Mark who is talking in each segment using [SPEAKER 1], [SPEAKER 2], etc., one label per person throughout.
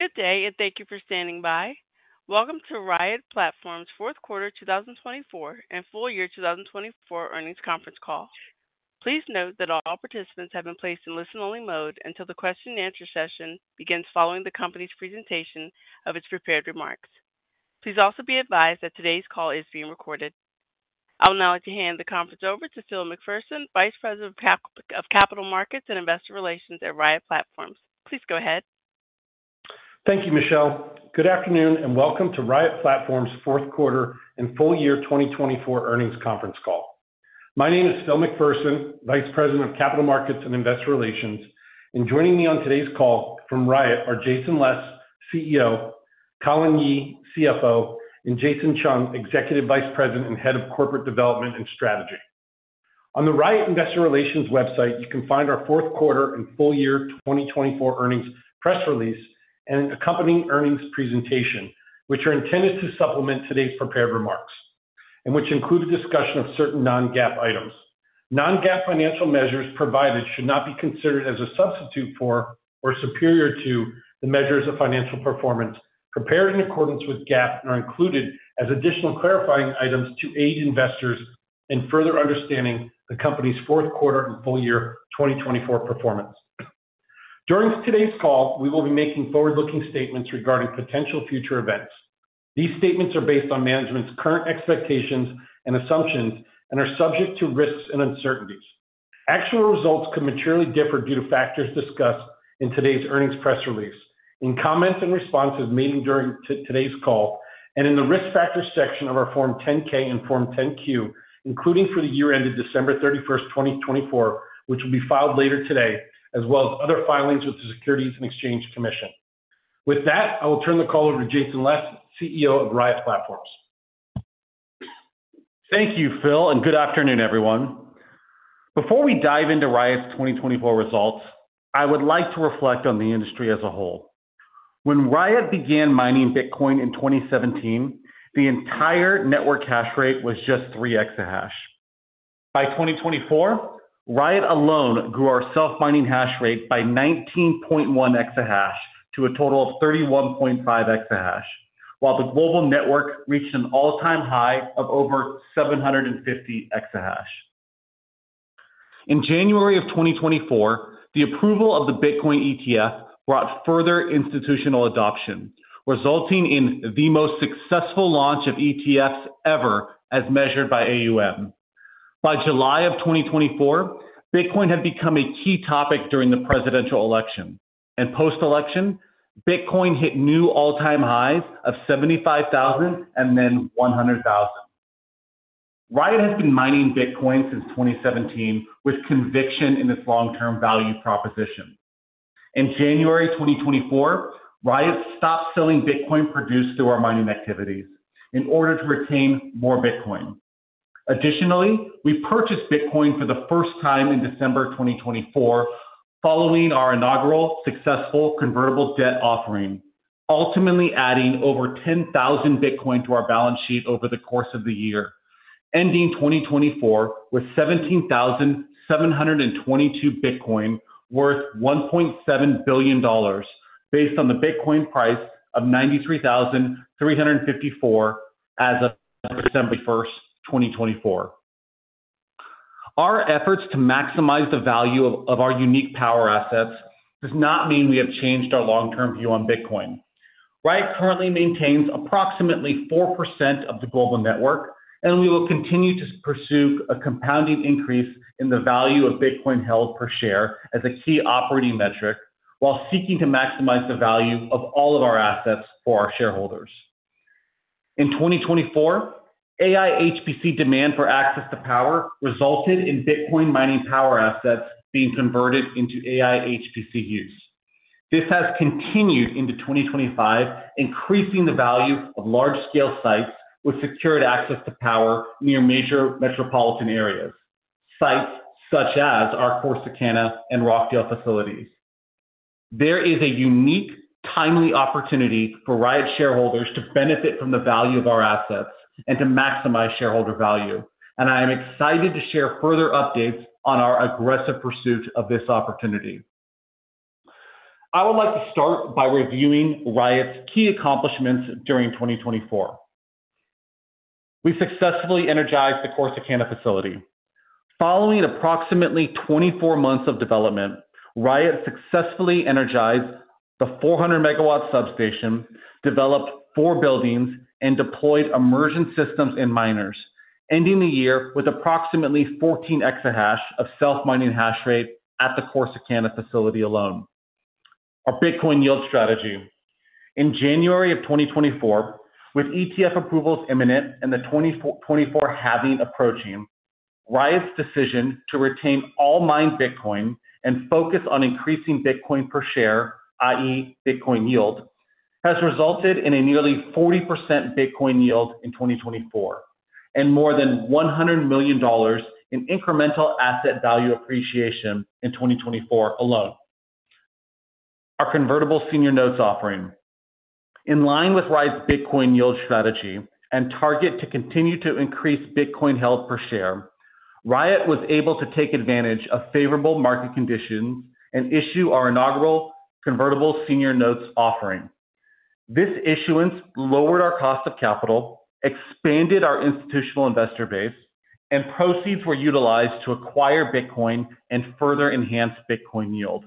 [SPEAKER 1] Good day, and thank you for standing by. Welcome to Riot Platforms' Fourth Quarter 2024 and Full Year 2024 Earnings Conference Call. Please note that all participants have been placed in listen-only mode until the question-and-answer session begins following the company's presentation of its prepared remarks. Please also be advised that today's call is being recorded. I would now like to hand the conference over to Phil McPherson, Vice President of Capital Markets and Investor Relations at Riot Platforms. Please go ahead.
[SPEAKER 2] Thank you, Michelle. Good afternoon, and welcome to Riot Platforms' Fourth Quarter and Full Year 2024 Earnings Conference Call. My name is Phil McPherson, Vice President of Capital Markets and Investor Relations, and joining me on today's call from Riot are Jason Les, CEO, Colin Yee, CFO, and Jason Chung, Executive Vice President and Head of Corporate Development and Strategy. On the Riot Investor Relations website, you can find our Fourth Quarter and Full Year 2024 Earnings Press Release and an accompanying earnings presentation, which are intended to supplement today's prepared remarks and which include a discussion of certain non-GAAP items. Non-GAAP financial measures provided should not be considered as a substitute for or superior to the measures of financial performance prepared in accordance with GAAP and are included as additional clarifying items to aid investors in further understanding the company's Fourth Quarter and Full Year 2024 performance. During today's call, we will be making forward-looking statements regarding potential future events. These statements are based on management's current expectations and assumptions and are subject to risks and uncertainties. Actual results could materially differ due to factors discussed in today's earnings press release, in comments and responses made during today's call, and in the risk factor section of our Form 10-K and Form 10-Q, including for the year ended December 31st, 2024, which will be filed later today, as well as other filings with the Securities and Exchange Commission. With that, I will turn the call over to Jason Les, CEO of Riot Platforms.
[SPEAKER 3] Thank you, Phil, and good afternoon, everyone. Before we dive into Riot's 2024 results, I would like to reflect on the industry as a whole. When Riot began mining Bitcoin in 2017, the entire network hash rate was just 3 EH/s. By 2024, Riot alone grew our self-mining hash rate by 19.1 EH/s to a total of 31.5 EH/s, while the global network reached an all-time high of over 750 EH/s. In January of 2024, the approval of the Bitcoin ETF brought further institutional adoption, resulting in the most successful launch of ETFs ever, as measured by AUM. By July of 2024, Bitcoin had become a key topic during the presidential election, and post-election, Bitcoin hit new all-time highs of $75,000 and then $100,000. Riot has been mining Bitcoin since 2017 with conviction in its long-term value proposition. In January 2024, Riot stopped selling Bitcoin produced through our mining activities in order to retain more Bitcoin. Additionally, we purchased Bitcoin for the first time in December 2024, following our inaugural successful convertible debt offering, ultimately adding over 10,000 Bitcoin to our balance sheet over the course of the year, ending 2024 with 17,722 Bitcoin worth $1.7 billion, based on the Bitcoin price of $93,354 as of December 21st, 2024. Our efforts to maximize the value of our unique power assets do not mean we have changed our long-term view on Bitcoin. Riot currently maintains approximately 4% of the global network, and we will continue to pursue a compounding increase in the value of Bitcoin held per share as a key operating metric while seeking to maximize the value of all of our assets for our shareholders. In 2024, AI/HPC demand for access to power resulted in Bitcoin mining power assets being converted into AI/HPC use. This has continued into 2025, increasing the value of large-scale sites with secured access to power near major metropolitan areas, sites such as our Corsicana and Rockdale facilities. There is a unique, timely opportunity for Riot shareholders to benefit from the value of our assets and to maximize shareholder value, and I am excited to share further updates on our aggressive pursuit of this opportunity. I would like to start by reviewing Riot's key accomplishments during 2024. We successfully energized the Corsicana facility. Following approximately 24 months of development, Riot successfully energized the 400 MW substation, developed four buildings, and deployed immersed systems and miners, ending the year with approximately 14 EH/s of self-mining hash rate at the Corsicana facility alone. Our Bitcoin yield strategy. In January of 2024, with ETF approvals imminent and the 2024 halving approaching, Riot's decision to retain all mined Bitcoin and focus on increasing Bitcoin per share, i.e., Bitcoin yield, has resulted in a nearly 40% Bitcoin yield in 2024 and more than $100 million in incremental asset value appreciation in 2024 alone. Our Convertible Senior Notes offering. In line with Riot's Bitcoin yield strategy and target to continue to increase Bitcoin held per share, Riot was able to take advantage of favorable market conditions and issue our inaugural Convertible Senior Notes offering. This issuance lowered our cost of capital, expanded our institutional investor base, and proceeds were utilized to acquire Bitcoin and further enhance Bitcoin yield.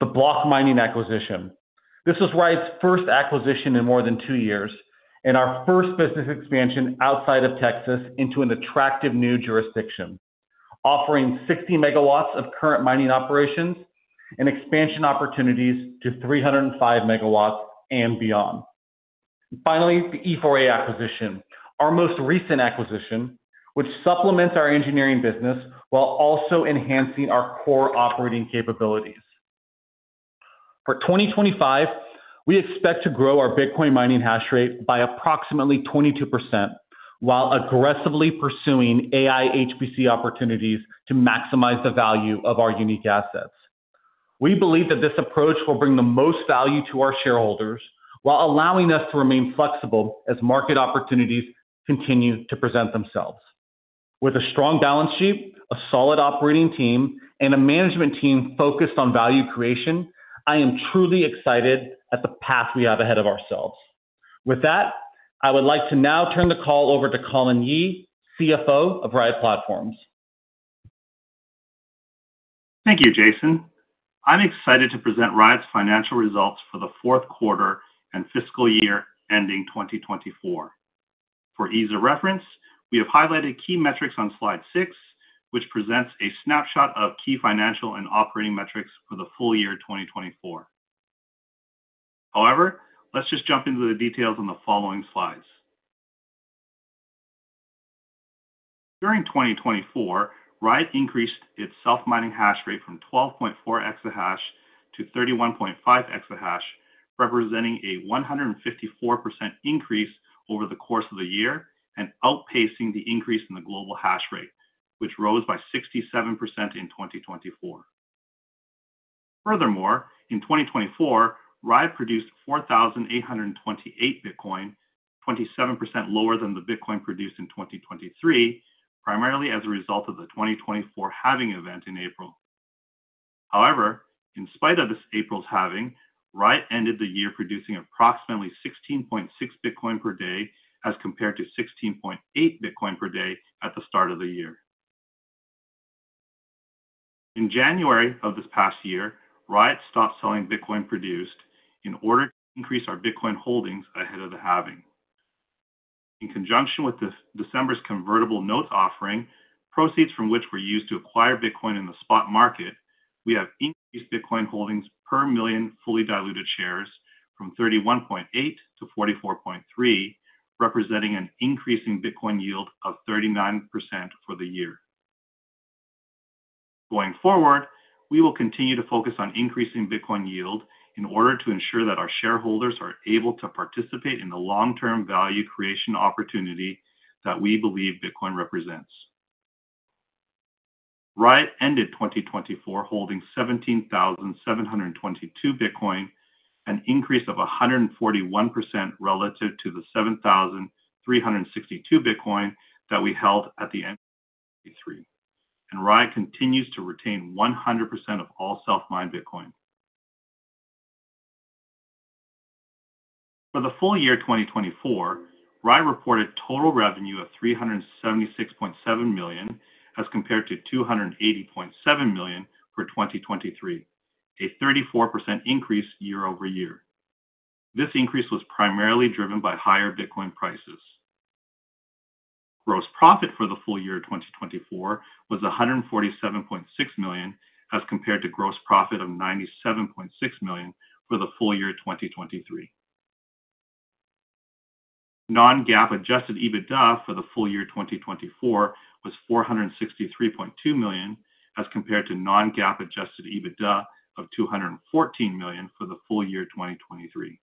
[SPEAKER 3] The block mining acquisition. This was Riot's first acquisition in more than two years and our first business expansion outside of Texas into an attractive new jurisdiction, offering 60 MW of current mining operations and expansion opportunities to 305 MW and beyond. Finally, the E4A acquisition, our most recent acquisition, which supplements our engineering business while also enhancing our core operating capabilities. For 2025, we expect to grow our Bitcoin mining hash rate by approximately 22% while aggressively pursuing AI/HPC opportunities to maximize the value of our unique assets. We believe that this approach will bring the most value to our shareholders while allowing us to remain flexible as market opportunities continue to present themselves. With a strong balance sheet, a solid operating team, and a management team focused on value creation, I am truly excited at the path we have ahead of ourselves. With that, I would like to now turn the call over to Colin Yee, CFO of Riot Platforms.
[SPEAKER 4] Thank you, Jason. I'm excited to present Riot's financial results for the Fourth Quarter and Fiscal Year ending 2024. For ease of reference, we have highlighted key metrics on Slide 6, which presents a snapshot of key financial and operating metrics for the full year 2024. However, let's just jump into the details on the following slides. During 2024, Riot increased its self-mining hash rate from 12.4 EH/s to 31.5 EH/s, representing a 154% increase over the course of the year and outpacing the increase in the global hash rate, which rose by 67% in 2024. Furthermore, in 2024, Riot produced 4,828 Bitcoin, 27% lower than the Bitcoin produced in 2023, primarily as a result of the 2024 Halving event in April. However, in spite of this April's Halving, Riot ended the year producing approximately 16.6 Bitcoin per day as compared to 16.8 Bitcoin per day at the start of the year. In January of this past year, Riot stopped selling Bitcoin produced in order to increase our Bitcoin holdings ahead of the Halving. In conjunction with December's convertible notes offering, proceeds from which were used to acquire Bitcoin in the spot market, we have increased Bitcoin holdings per million fully diluted shares from 31.8 to 44.3, representing an increasing Bitcoin yield of 39% for the year. Going forward, we will continue to focus on increasing Bitcoin yield in order to ensure that our shareholders are able to participate in the long-term value creation opportunity that we believe Bitcoin represents. Riot ended 2024 holding 17,722 Bitcoin, an increase of 141% relative to the 7,362 Bitcoin that we held at the end of 2023, and Riot continues to retain 100% of all self-mined Bitcoin. For the full year 2024, Riot reported total revenue of $376.7 million as compared to $280.7 million for 2023, a 34% increase year over year. This increase was primarily driven by higher Bitcoin prices. Gross profit for the full year 2024 was $147.6 million as compared to gross profit of $97.6 million for the full year 2023. Non-GAAP adjusted EBITDA for the full year 2024 was $463.2 million as compared to non-GAAP adjusted EBITDA of $214 million for the full year 2023.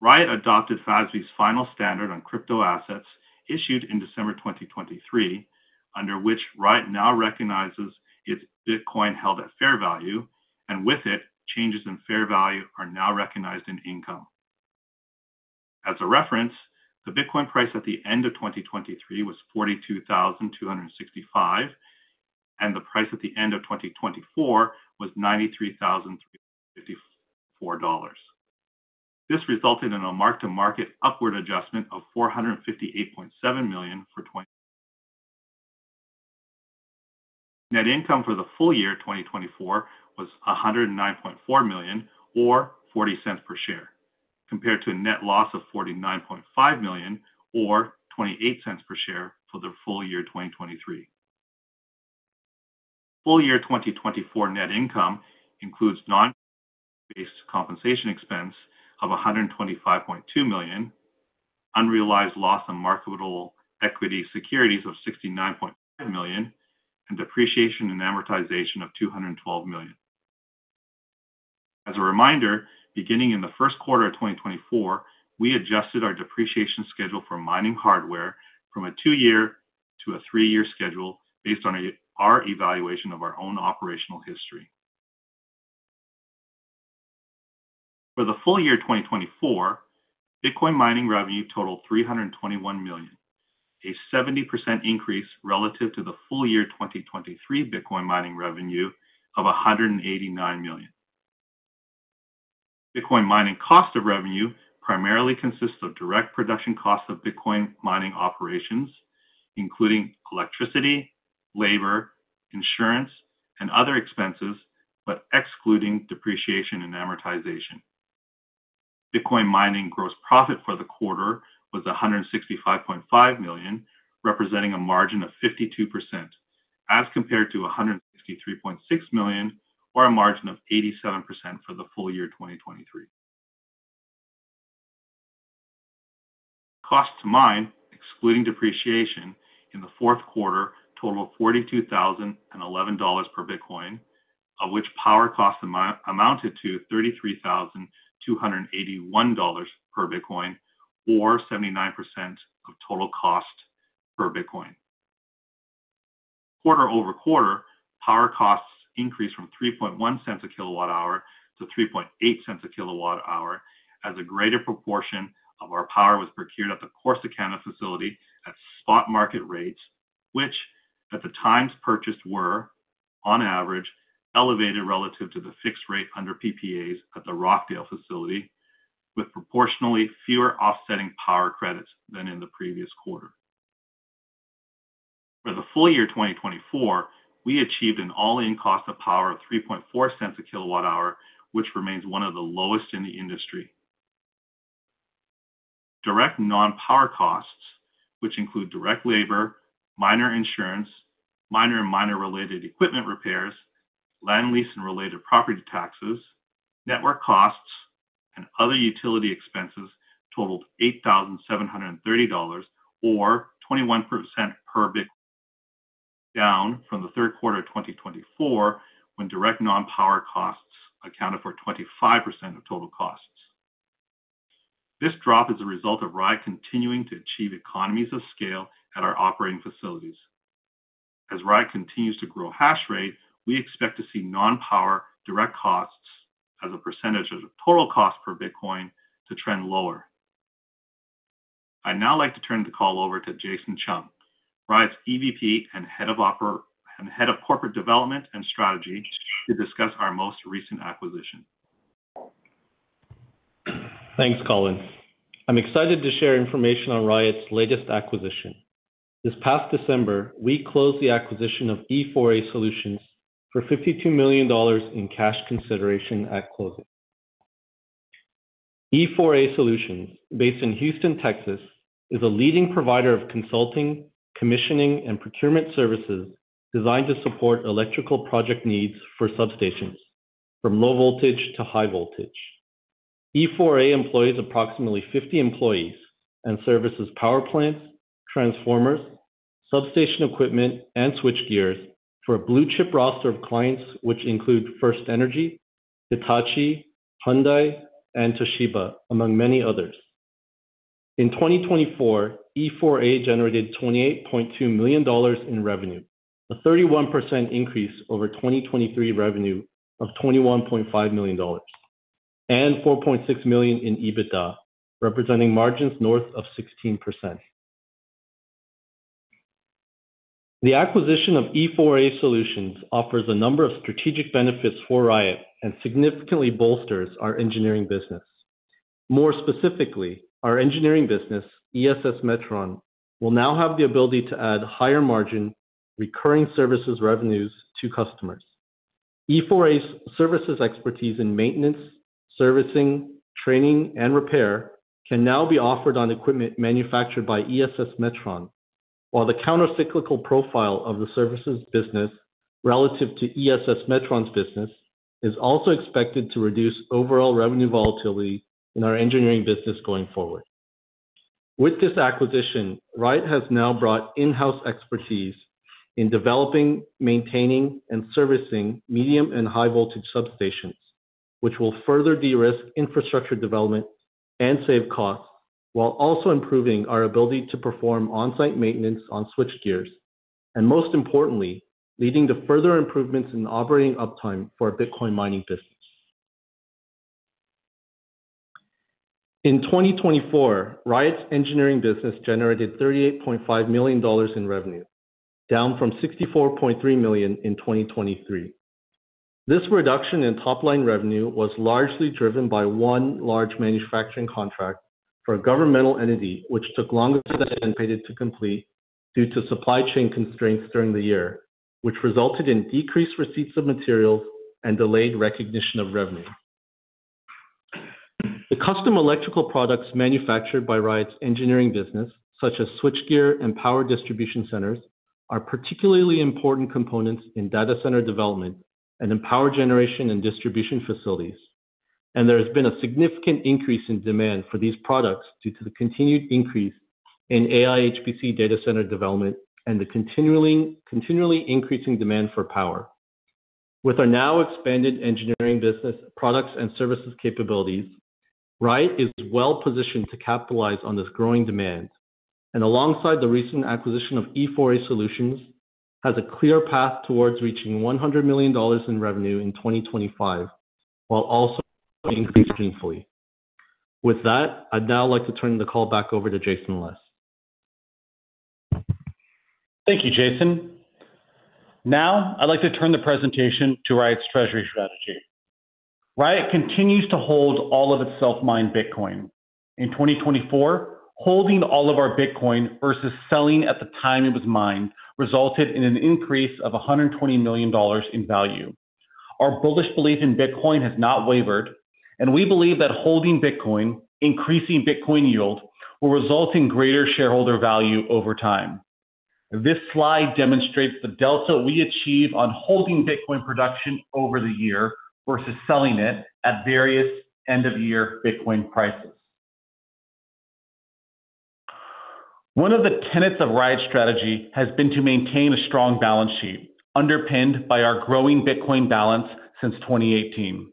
[SPEAKER 4] Riot adopted FASB's final standard on crypto assets issued in December 2023, under which Riot now recognizes its Bitcoin held at fair value, and with it, changes in fair value are now recognized in income. As a reference, the Bitcoin price at the end of 2023 was $42,265, and the price at the end of 2024 was $93,354. This resulted in a mark-to-market upward adjustment of $458.7 million for 2023. Net income for the full year 2024 was $109.4 million or $0.40 per share, compared to a net loss of $49.5 million or $0.28 per share for the full year 2023. Full year 2024 net income includes non-compensation expense of $125.2 million, unrealized loss on marketable equity securities of $69.5 million, and depreciation and amortization of $212 million. As a reminder, beginning in the first quarter of 2024, we adjusted our depreciation schedule for mining hardware from a two-year to a three-year schedule based on our evaluation of our own operational history. For the full year 2024, Bitcoin mining revenue totaled $321 million, a 70% increase relative to the full year 2023 Bitcoin mining revenue of $189 million. Bitcoin mining cost of revenue primarily consists of direct production costs of Bitcoin mining operations, including electricity, labor, insurance, and other expenses, but excluding depreciation and amortization. Bitcoin mining gross profit for the quarter was $165.5 million, representing a margin of 52%, as compared to $163.6 million or a margin of 87% for the full year 2023. Cost to mine, excluding depreciation in the fourth quarter, totaled $42,011 per Bitcoin, of which power cost amounted to $33,281 per Bitcoin, or 79% of total cost per Bitcoin. Quarter over quarter, power costs increased from $0.031 a kilowatt-hour to $0.038 a kilowatt-hour as a greater proportion of our power was procured at the Corsicana facility at spot market rates, which, at the times purchased were, on average, elevated relative to the fixed rate under PPAs at the Rockdale facility, with proportionally fewer offsetting power credits than in the previous quarter. For the full year 2024, we achieved an all-in cost of power of $0.034 a kilowatt-hour, which remains one of the lowest in the industry. Direct non-power costs, which include direct labor, minor insurance, minor and minor-related equipment repairs, land lease and related property taxes, network costs, and other utility expenses, totaled $8,730 or 21% per Bitcoin, down from the third quarter of 2024 when direct non-power costs accounted for 25% of total costs. This drop is a result of Riot continuing to achieve economies of scale at our operating facilities. As Riot continues to grow hash rate, we expect to see non-power direct costs as a percentage of total cost per Bitcoin to trend lower. I'd now like to turn the call over to Jason Chung, Riot's EVP and head of corporate development and strategy, to discuss our most recent acquisition.
[SPEAKER 5] Thanks, Colin. I'm excited to share information on Riot's latest acquisition. This past December, we closed the acquisition of E4A Solutions for $52 million in cash consideration at closing. E4A Solutions, based in Houston, Texas, is a leading provider of consulting, commissioning, and procurement services designed to support electrical project needs for substations, from low voltage to high voltage. E4A employs approximately 50 employees and services power plants, transformers, substation equipment, and switchgears for a blue-chip roster of clients, which include FirstEnergy, Hitachi, Hyundai, and Toshiba, among many others. In 2024, E4A generated $28.2 million in revenue, a 31% increase over 2023 revenue of $21.5 million, and $4.6 million in EBITDA, representing margins north of 16%. The acquisition of E4A Solutions offers a number of strategic benefits for Riot and significantly bolsters our engineering business. More specifically, our engineering business, ESS Metron, will now have the ability to add higher margin recurring services revenues to customers. E4A's services expertise in maintenance, servicing, training, and repair can now be offered on equipment manufactured by ESS Metron, while the countercyclical profile of the services business relative to ESS Metron's business is also expected to reduce overall revenue volatility in our engineering business going forward. With this acquisition, Riot has now brought in-house expertise in developing, maintaining, and servicing medium and high-voltage substations, which will further de-risk infrastructure development and save costs, while also improving our ability to perform on-site maintenance on switchgears, and most importantly, leading to further improvements in operating uptime for our Bitcoin mining business. In 2024, Riot's engineering business generated $38.5 million in revenue, down from $64.3 million in 2023. This reduction in top-line revenue was largely driven by one large manufacturing contract for a governmental entity, which took longer than anticipated to complete due to supply chain constraints during the year, which resulted in decreased receipts of materials and delayed recognition of revenue. The custom electrical products manufactured by Riot Platforms' engineering business, such as switchgear and power distribution centers, are particularly important components in data center development and in power generation and distribution facilities, and there has been a significant increase in demand for these products due to the continued increase in AI/HPC data center development and the continually increasing demand for power. With our now expanded engineering business products and services capabilities, Riot Platforms is well positioned to capitalize on this growing demand, and alongside the recent acquisition of E4A Solutions, has a clear path towards reaching $100 million in revenue in 2025, while also increasing fully. With that, I'd now like to turn the call back over to Jason Les.
[SPEAKER 3] Thank you, Jason. Now, I'd like to turn the presentation to Riot's treasury strategy. Riot continues to hold all of its self-mined Bitcoin. In 2024, holding all of our Bitcoin versus selling at the time it was mined resulted in an increase of $120 million in value. Our bullish belief in Bitcoin has not wavered, and we believe that holding Bitcoin, increasing Bitcoin yield, will result in greater shareholder value over time. This slide demonstrates the delta we achieve on holding Bitcoin production over the year versus selling it at various end-of-year Bitcoin prices. One of the tenets of Riot's strategy has been to maintain a strong balance sheet, underpinned by our growing Bitcoin balance since 2018.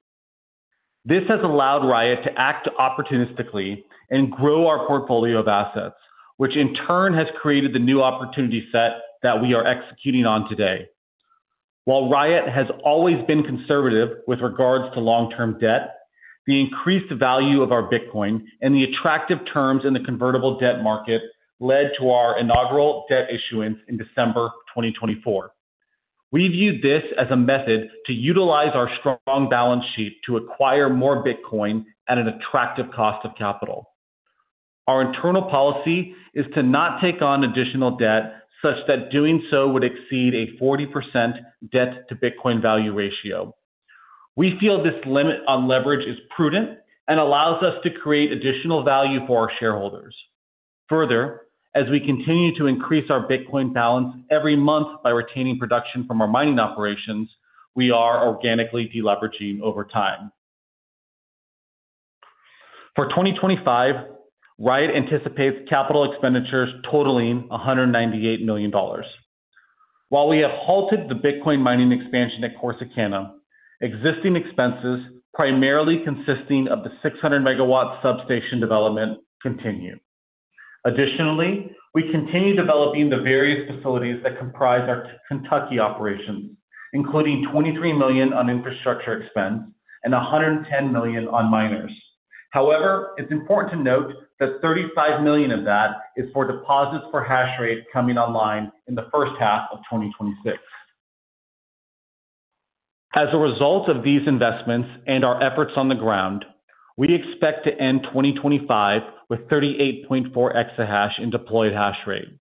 [SPEAKER 3] This has allowed Riot to act opportunistically and grow our portfolio of assets, which in turn has created the new opportunity set that we are executing on today. While Riot has always been conservative with regards to long-term debt, the increased value of our Bitcoin and the attractive terms in the convertible debt market led to our inaugural debt issuance in December 2024. We view this as a method to utilize our strong balance sheet to acquire more Bitcoin at an attractive cost of capital. Our internal policy is to not take on additional debt such that doing so would exceed a 40% debt-to-Bitcoin value ratio. We feel this limit on leverage is prudent and allows us to create additional value for our shareholders. Further, as we continue to increase our Bitcoin balance every month by retaining production from our mining operations, we are organically deleveraging over time. For 2025, Riot anticipates capital expenditures totaling $198 million. While we have halted the Bitcoin mining expansion at Corsicana, existing expenses, primarily consisting of the 600 megawatt substation development, continue. Additionally, we continue developing the various facilities that comprise our Kentucky operations, including $23 million on infrastructure expense and $110 million on miners. However, it's important to note that $35 million of that is for deposits for hash rate coming online in the first half of 2026. As a result of these investments and our efforts on the ground, we expect to end 2025 with 38.4 EH/s in deployed hash rate,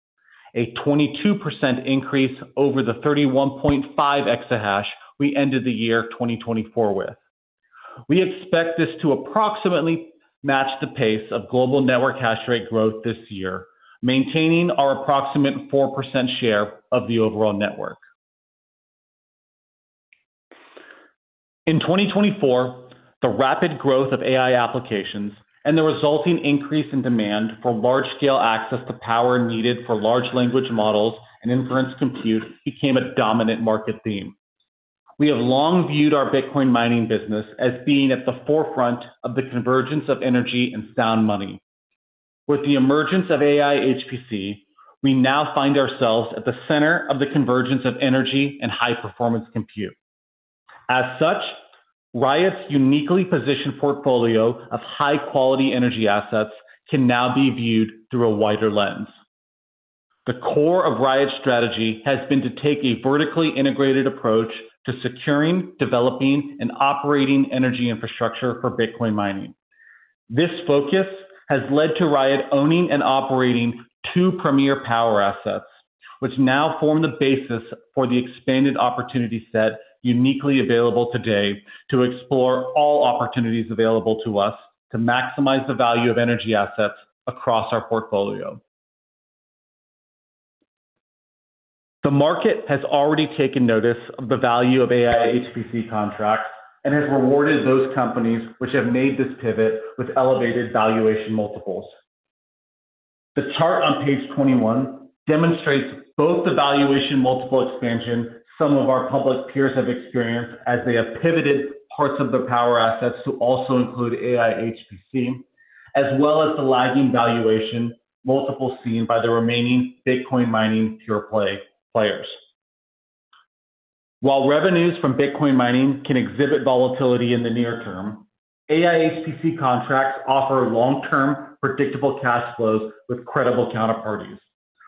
[SPEAKER 3] a 22% increase over the 31.5 EH/s we ended the year 2024 with. We expect this to approximately match the pace of global network hash rate growth this year, maintaining our approximate 4% share of the overall network. In 2024, the rapid growth of AI applications and the resulting increase in demand for large-scale access to power needed for large language models and inference compute became a dominant market theme. We have long viewed our Bitcoin mining business as being at the forefront of the convergence of energy and sound money. With the emergence of AI/HPC, we now find ourselves at the center of the convergence of energy and high-performance compute. As such, Riot's uniquely positioned portfolio of high-quality energy assets can now be viewed through a wider lens. The core of Riot's strategy has been to take a vertically integrated approach to securing, developing, and operating energy infrastructure for Bitcoin mining. This focus has led to Riot owning and operating two premier power assets, which now form the basis for the expanded opportunity set uniquely available today to explore all opportunities available to us to maximize the value of energy assets across our portfolio. The market has already taken notice of the value of AI/HPC contracts and has rewarded those companies which have made this pivot with elevated valuation multiples. The chart on page 21 demonstrates both the valuation multiple expansion some of our public peers have experienced as they have pivoted parts of their power assets to also include AI/HPC, as well as the lagging valuation multiple seen by the remaining Bitcoin mining pure-play players. While revenues from Bitcoin mining can exhibit volatility in the near term, AI/HPC contracts offer long-term predictable cash flows with credible counterparties,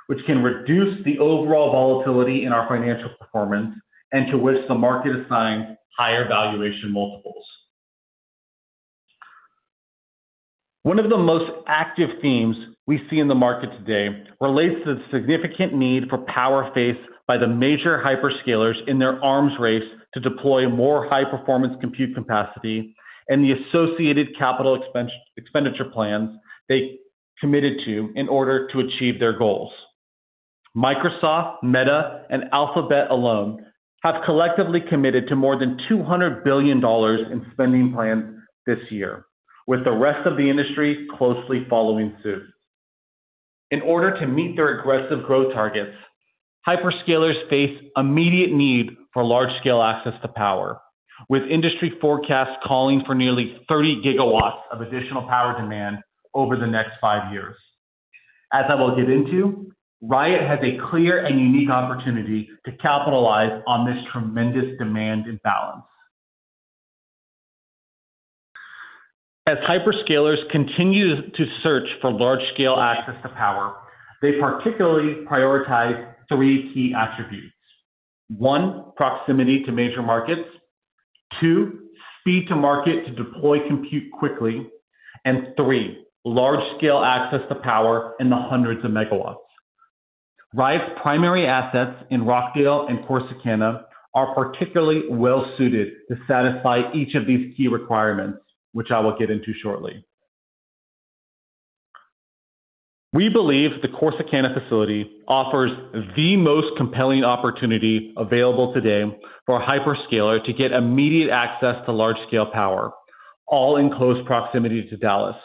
[SPEAKER 3] which can reduce the overall volatility in our financial performance and to which the market assigns higher valuation multiples. One of the most active themes we see in the market today relates to the significant need for power faced by the major hyperscalers in their arms race to deploy more high-performance compute capacity and the associated capital expenditure plans they committed to in order to achieve their goals. Microsoft, Meta, and Alphabet alone have collectively committed to more than $200 billion in spending plans this year, with the rest of the industry closely following suit. In order to meet their aggressive growth targets, hyperscalers face immediate need for large-scale access to power, with industry forecasts calling for nearly 30 GW of additional power demand over the next five years. As I will get into, Riot has a clear and unique opportunity to capitalize on this tremendous demand and balance. As hyperscalers continue to search for large-scale access to power, they particularly prioritize three key attributes: one, proximity to major markets, two, speed to market to deploy compute quickly, and three, large-scale access to power in the hundreds of megawatts. Riot's primary assets in Rockdale and Corsicana are particularly well-suited to satisfy each of these key requirements, which I will get into shortly. We believe the Corsicana facility offers the most compelling opportunity available today for a hyperscaler to get immediate access to large-scale power, all in close proximity to Dallas,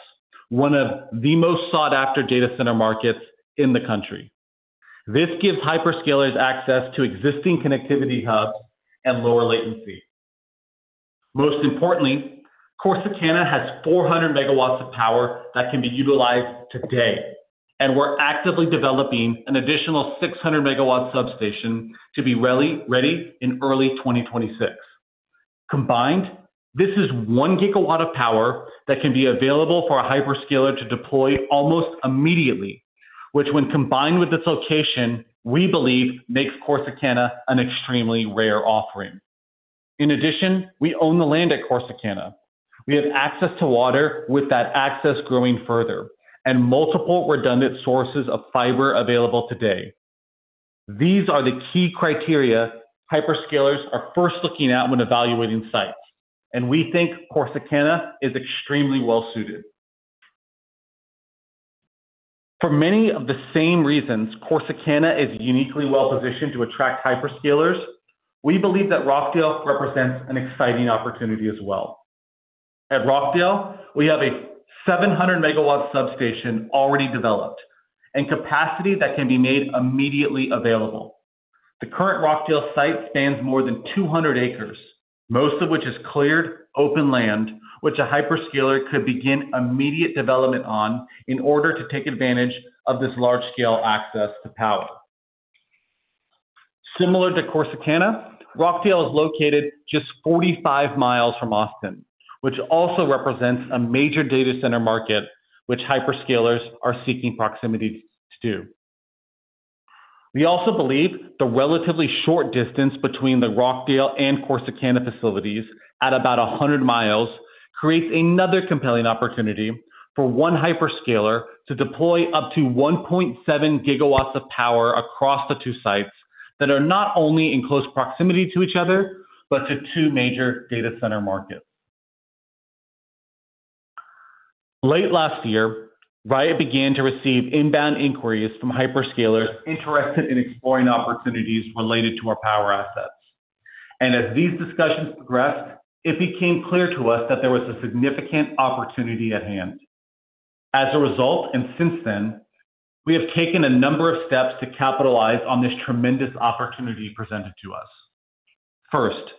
[SPEAKER 3] one of the most sought-after data center markets in the country. This gives hyperscalers access to existing connectivity hubs and lower latency. Most importantly, Corsicana has 400 MW of power that can be utilized today, and we're actively developing an additional 600-megawatt substation to be ready in early 2026. Combined, this is one gigawatt of power that can be available for a hyperscaler to deploy almost immediately, which, when combined with its location, we believe makes Corsicana an extremely rare offering. In addition, we own the land at Corsicana. We have access to water with that access growing further and multiple redundant sources of fiber available today. These are the key criteria hyperscalers are first looking at when evaluating sites, and we think Corsicana is extremely well-suited. For many of the same reasons Corsicana is uniquely well-positioned to attract hyperscalers, we believe that Rockdale represents an exciting opportunity as well. At Rockdale, we have a 700-megawatt substation already developed and capacity that can be made immediately available. The current Rockdale site spans more than 200 acres, most of which is cleared open land, which a hyperscaler could begin immediate development on in order to take advantage of this large-scale access to power. Similar to Corsicana, Rockdale is located just 45 mi from Austin, which also represents a major data center market which hyperscalers are seeking proximity to. We also believe the relatively short distance between the Rockdale and Corsicana facilities at about 100 mi creates another compelling opportunity for one hyperscaler to deploy up to 1.7 GW of power across the two sites that are not only in close proximity to each other, but to two major data center markets. Late last year, Riot began to receive inbound inquiries from hyperscalers interested in exploring opportunities related to our power assets. As these discussions progressed, it became clear to us that there was a significant opportunity at hand. As a result, and since then, we have taken a number of steps to capitalize on this tremendous opportunity presented to us. First,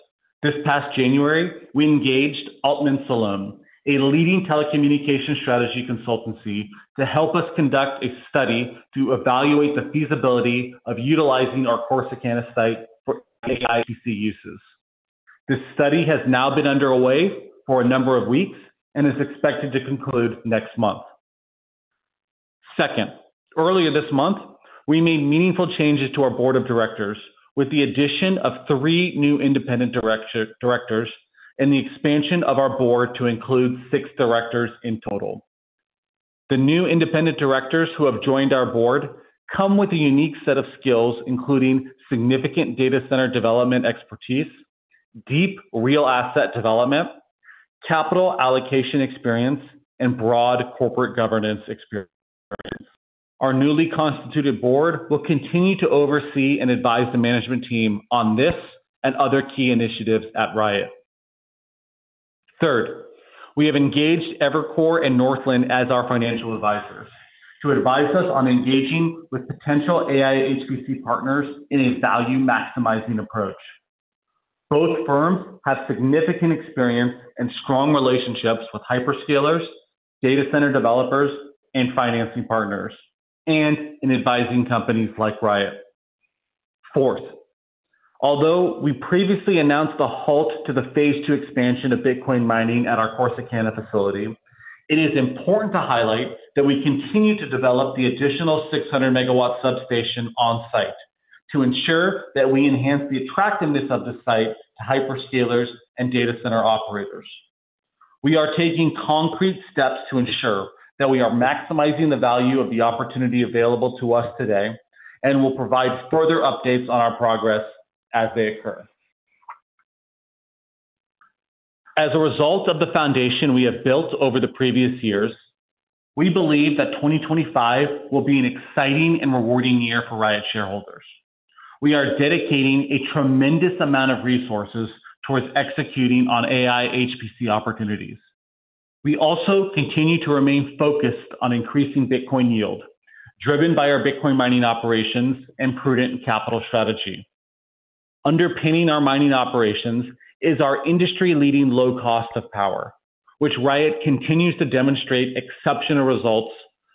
[SPEAKER 3] this past January, we engaged Altman Solon, a leading telecommunications strategy consultancy, to help us conduct a study to evaluate the feasibility of utilizing our Corsicana site for AI/HPC uses. This study has now been underway for a number of weeks and is expected to conclude next month. Second, earlier this month, we made meaningful changes to our board of directors with the addition of three new independent directors and the expansion of our board to include six directors in total. The new independent directors who have joined our board come with a unique set of skills, including significant data center development expertise, deep real asset development, capital allocation experience, and broad corporate governance experience. Our newly constituted board will continue to oversee and advise the management team on this and other key initiatives at Riot. Third, we have engaged Evercore and Northland as our financial advisors to advise us on engaging with potential AI/HPC partners in a value-maximizing approach. Both firms have significant experience and strong relationships with hyperscalers, data center developers, and financing partners, and in advising companies like Riot. Fourth, although we previously announced the halt to the phase two expansion of Bitcoin mining at our Corsicana facility, it is important to highlight that we continue to develop the additional 600-megawatt substation on site to ensure that we enhance the attractiveness of the site to hyperscalers and data center operators. We are taking concrete steps to ensure that we are maximizing the value of the opportunity available to us today and will provide further updates on our progress as they occur. As a result of the foundation we have built over the previous years, we believe that 2025 will be an exciting and rewarding year for Riot shareholders. We are dedicating a tremendous amount of resources towards executing on AI/HPC opportunities. We also continue to remain focused on increasing Bitcoin yield, driven by our Bitcoin mining operations and prudent capital strategy. Underpinning our mining operations is our industry-leading low cost of power, which Riot continues to demonstrate exceptional results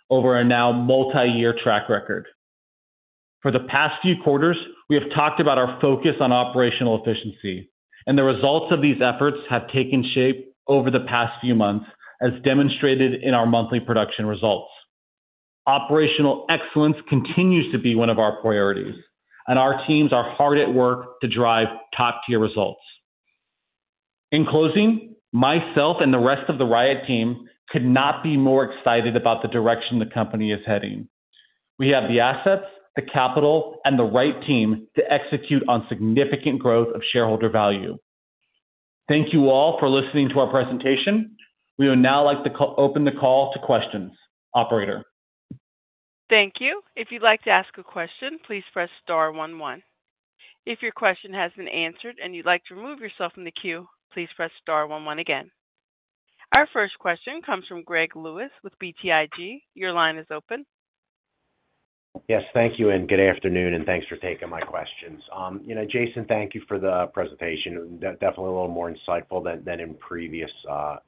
[SPEAKER 3] over our now multi-year track record. For the past few quarters, we have talked about our focus on operational efficiency, and the results of these efforts have taken shape over the past few months, as demonstrated in our monthly production results. Operational excellence continues to be one of our priorities, and our teams are hard at work to drive top-tier results. In closing, myself and the rest of the Riot team could not be more excited about the direction the company is heading. We have the assets, the capital, and the right team to execute on significant growth of shareholder value. Thank you all for listening to our presentation. We would now like to open the call to questions, Operator. Thank you.
[SPEAKER 1] If you'd like to ask a question, please press star one one. If your question has been answered and you'd like to remove yourself from the queue, please press star one one again. Our first question comes from Greg Lewis with BTIG. Your line is open.
[SPEAKER 6] Yes, thank you, and good afternoon, and thanks for taking my questions. Jason, thank you for the presentation. Definitely a little more insightful than in previous quarters.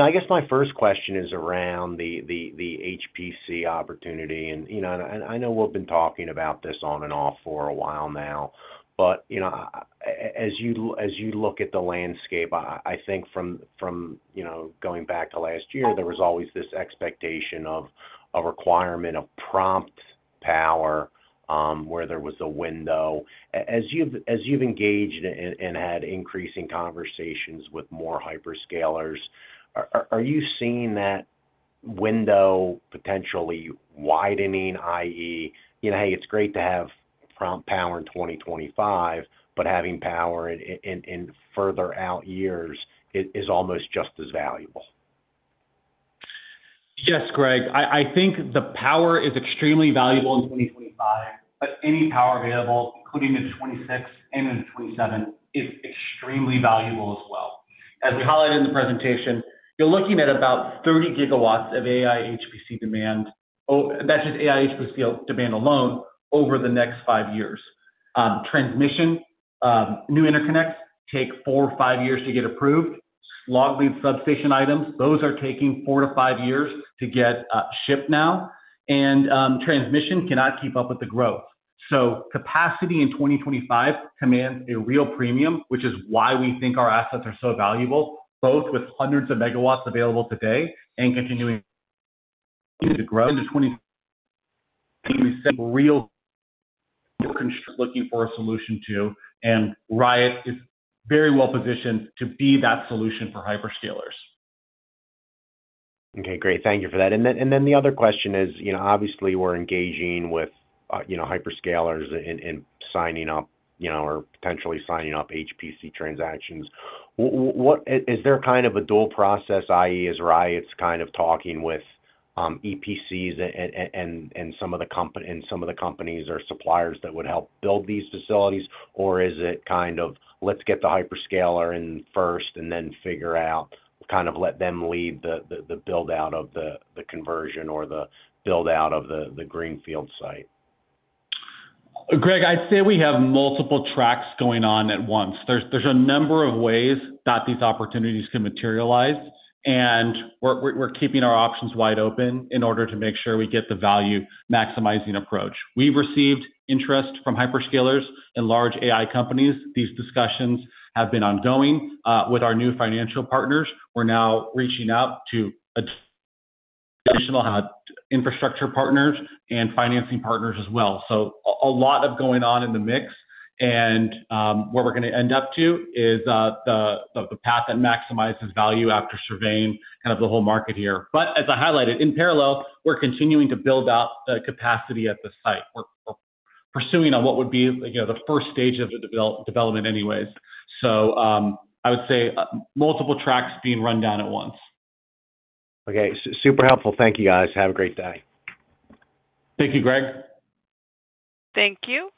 [SPEAKER 6] I guess my first question is around the HPC opportunity. And I know we've been talking about this on and off for a while now, but as you look at the landscape, I think from going back to last year, there was always this expectation of a requirement of prompt power where there was a window. As you've engaged and had increasing conversations with more hyperscalers, are you seeing that window potentially widening, i.e., "Hey, it's great to have prompt power in 2025, but having power in further out years is almost just as valuable"?
[SPEAKER 3] Yes, Greg. I think the power is extremely valuable in 2025, but any power available, including the 2026 and the 2027, is extremely valuable as well. As we highlighted in the presentation, you're looking at about 30 GW of AI/HPC demand. Oh, that's just AI/HPC demand alone over the next five years. Transmission, new interconnects take four or five years to get approved. Long lead substation items, those are taking four to five years to get shipped now, and transmission cannot keep up with the growth. Capacity in 2025 commands a real premium, which is why we think our assets are so valuable, both with hundreds of megawatts available today and continuing to grow into 2026. Real constraints looking for a solution to, and Riot is very well-positioned to be that solution for hyperscalers.
[SPEAKER 6] Okay, great. Thank you for that. And then the other question is, obviously, we're engaging with hyperscalers in signing up or potentially signing up HPC transactions. Is there kind of a dual process, i.e., is Riot kind of talking with EPCs and some of the companies or suppliers that would help build these facilities, or is it kind of, "Let's get the hyperscaler in first and then figure out, kind of let them lead the build-out of the conversion or the build-out of the greenfield site"?
[SPEAKER 3] Greg, I'd say we have multiple tracks going on at once. There's a number of ways that these opportunities can materialize, and we're keeping our options wide open in order to make sure we get the value-maximizing approach. We've received interest from hyperscalers and large AI companies. These discussions have been ongoing with our new financial partners. We're now reaching out to additional infrastructure partners and financing partners as well. So a lot of going on in the mix, and where we're going to end up to is the path that maximizes value after surveying kind of the whole market here. But as I highlighted, in parallel, we're continuing to build out the capacity at the site. We're pursuing on what would be the first stage of the development anyways. So I would say multiple tracks being run down at once.
[SPEAKER 6] Okay, super helpful. Thank you, guys. Have a great day.
[SPEAKER 3] Thank you, Greg.
[SPEAKER 1] Thank you.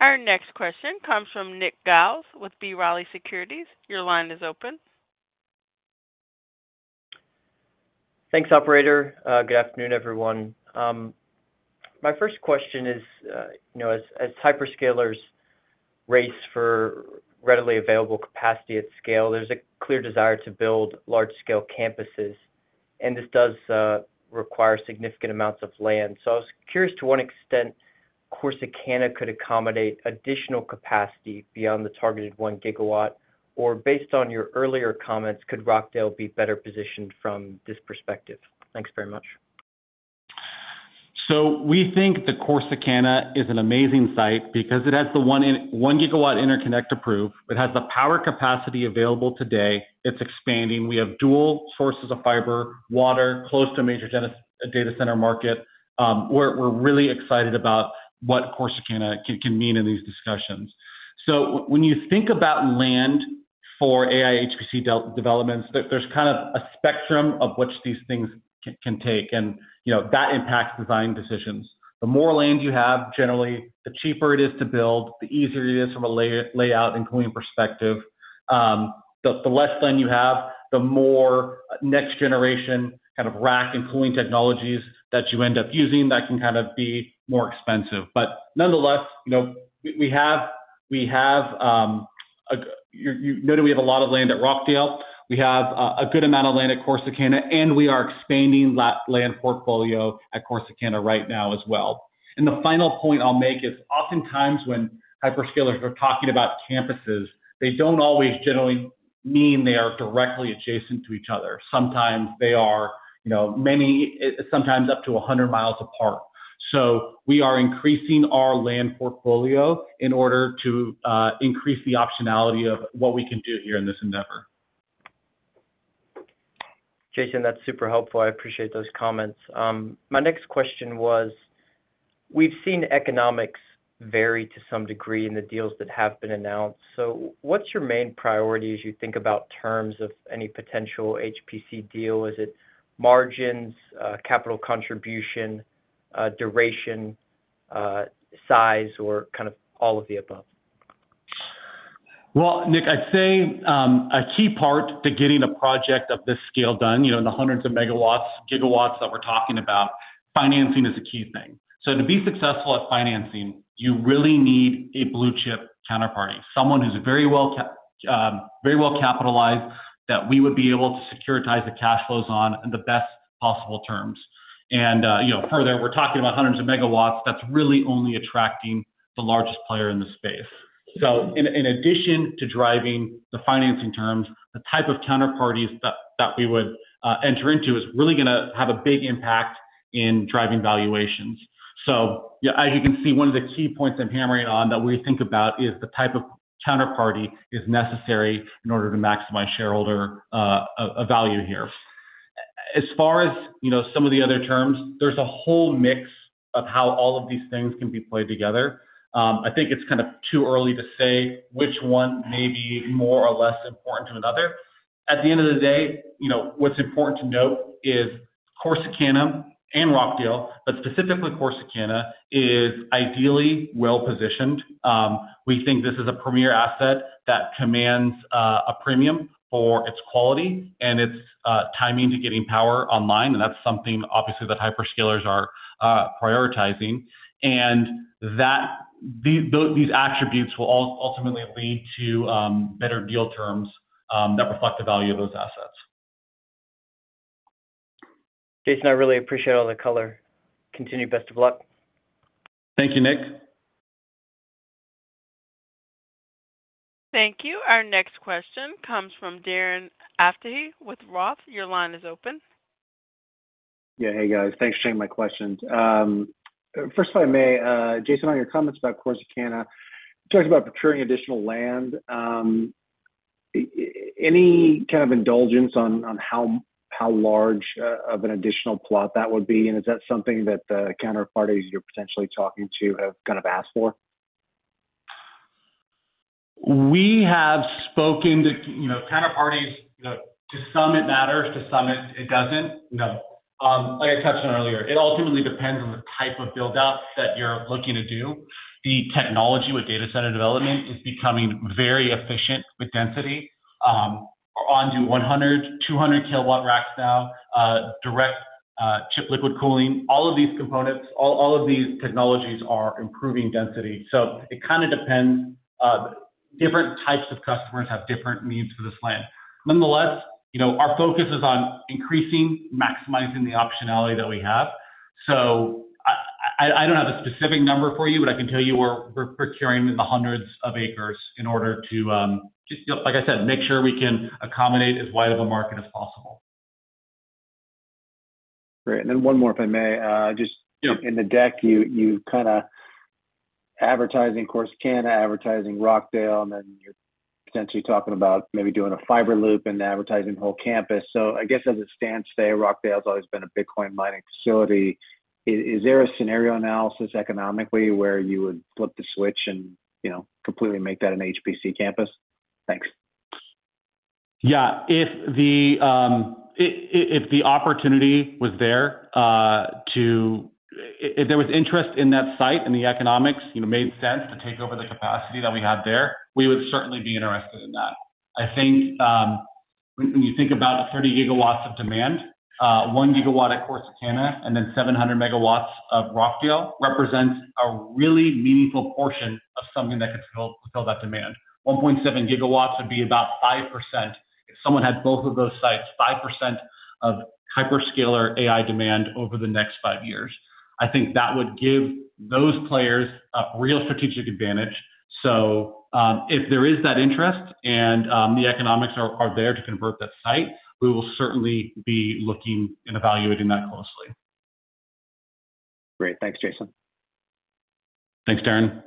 [SPEAKER 1] Our next question comes from Nick Giles with B. Riley Securities. Your line is open.
[SPEAKER 7] Thanks, Operator. Good afternoon, everyone. My first question is, as hyperscalers race for readily available capacity at scale, there's a clear desire to build large-scale campuses, and this does require significant amounts of land. So I was curious to what extent Corsicana could accommodate additional capacity beyond the targeted one gigawatt, or based on your earlier comments, could Rockdale be better positioned from this perspective? Thanks very much.
[SPEAKER 3] So we think that Corsicana is an amazing site because it has the one-gigawatt interconnect approved. It has the power capacity available today. It's expanding. We have dual sources of fiber, water, close to a major data center market. We're really excited about what Corsicana can mean in these discussions. When you think about land for AI/HPC developments, there's kind of a spectrum of which these things can take, and that impacts design decisions. The more land you have, generally, the cheaper it is to build, the easier it is from a layout and cooling perspective. The less land you have, the more next-generation kind of rack and cooling technologies that you end up using that can kind of be more expensive. But nonetheless, we have. You noted we have a lot of land at Rockdale. We have a good amount of land at Corsicana, and we are expanding that land portfolio at Corsicana right now as well. And the final point I'll make is, oftentimes when hyperscalers are talking about campuses, they don't always generally mean they are directly adjacent to each other. Sometimes they are up to 100 mi apart. We are increasing our land portfolio in order to increase the optionality of what we can do here in this endeavor.
[SPEAKER 7] Jason, that's super helpful. I appreciate those comments. My next question was, we've seen economics vary to some degree in the deals that have been announced. What's your main priority as you think about terms of any potential HPC deal? Is it margins, capital contribution, duration, size, or kind of all of the above?
[SPEAKER 3] Nick, I'd say a key part to getting a project of this scale done, the hundreds of megawatts, gigawatts that we're talking about, financing is a key thing. To be successful at financing, you really need a blue-chip counterparty, someone who's very well-capitalized that we would be able to securitize the cash flows on in the best possible terms. Further, we're talking about hundreds of megawatts. That's really only attracting the largest player in the space. So in addition to driving the financing terms, the type of counterparties that we would enter into is really going to have a big impact in driving valuations. So as you can see, one of the key points I'm hammering on that we think about is the type of counterparty is necessary in order to maximize shareholder value here. As far as some of the other terms, there's a whole mix of how all of these things can be played together. I think it's kind of too early to say which one may be more or less important to another. At the end of the day, what's important to note is Corsicana and Rockdale, but specifically Corsicana is ideally well-positioned. We think this is a premier asset that commands a premium for its quality and its timing to getting power online. And that's something, obviously, that hyperscalers are prioritizing. And these attributes will ultimately lead to better deal terms that reflect the value of those assets.
[SPEAKER 7] Jason, I really appreciate all the color. Continued best of luck.
[SPEAKER 3] Thank you, Nick.
[SPEAKER 1] Thank you. Our next question comes from Darren Aftahi with Roth. Your line is open.
[SPEAKER 8] Yeah, hey, guys. Thanks for taking my questions. First, if I may, Jason, on your comments about Corsicana, you talked about procuring additional land. Any kind of indulgence on how large of an additional plot that would be? And is that something that the counterparties you're potentially talking to have kind of asked for?
[SPEAKER 3] We have spoken to counterparties, to some it matters, to some it doesn't. No. Like I touched on earlier, it ultimately depends on the type of build-out that you're looking to do. The technology with data center development is becoming very efficient with density. We're on to 100-200-kW racks now, direct chip liquid cooling. All of these components, all of these technologies are improving density. So it kind of depends. Different types of customers have different needs for this land. Nonetheless, our focus is on increasing, maximizing the optionality that we have. So I don't have a specific number for you, but I can tell you we're procuring in the hundreds of acres in order to, like I said, make sure we can accommodate as wide of a market as possible.
[SPEAKER 8] Great. And then one more, if I may. Just in the deck, you kind of advertising Corsicana, advertising Rockdale, and then you're potentially talking about maybe doing a fiber loop and advertising the whole campus. So I guess as it stands today, Rockdale has always been a Bitcoin mining facility. Is there a scenario analysis economically where you would flip the switch and completely make that an HPC campus? Thanks.
[SPEAKER 3] Yeah. If the opportunity was there to, if there was interest in that site and the economics made sense to take over the capacity that we have there, we would certainly be interested in that. I think when you think about 30 GW of demand, one gigawatt at Corsicana and then 700 MW of Rockdale represents a really meaningful portion of something that could fulfill that demand. 1.7 GW would be about 5%. If someone had both of those sites, 5% of hyperscaler AI demand over the next five years. I think that would give those players a real strategic advantage. So if there is that interest and the economics are there to convert that site, we will certainly be looking and evaluating that closely.
[SPEAKER 8] Great. Thanks, Jason.
[SPEAKER 3] Thanks, Darren.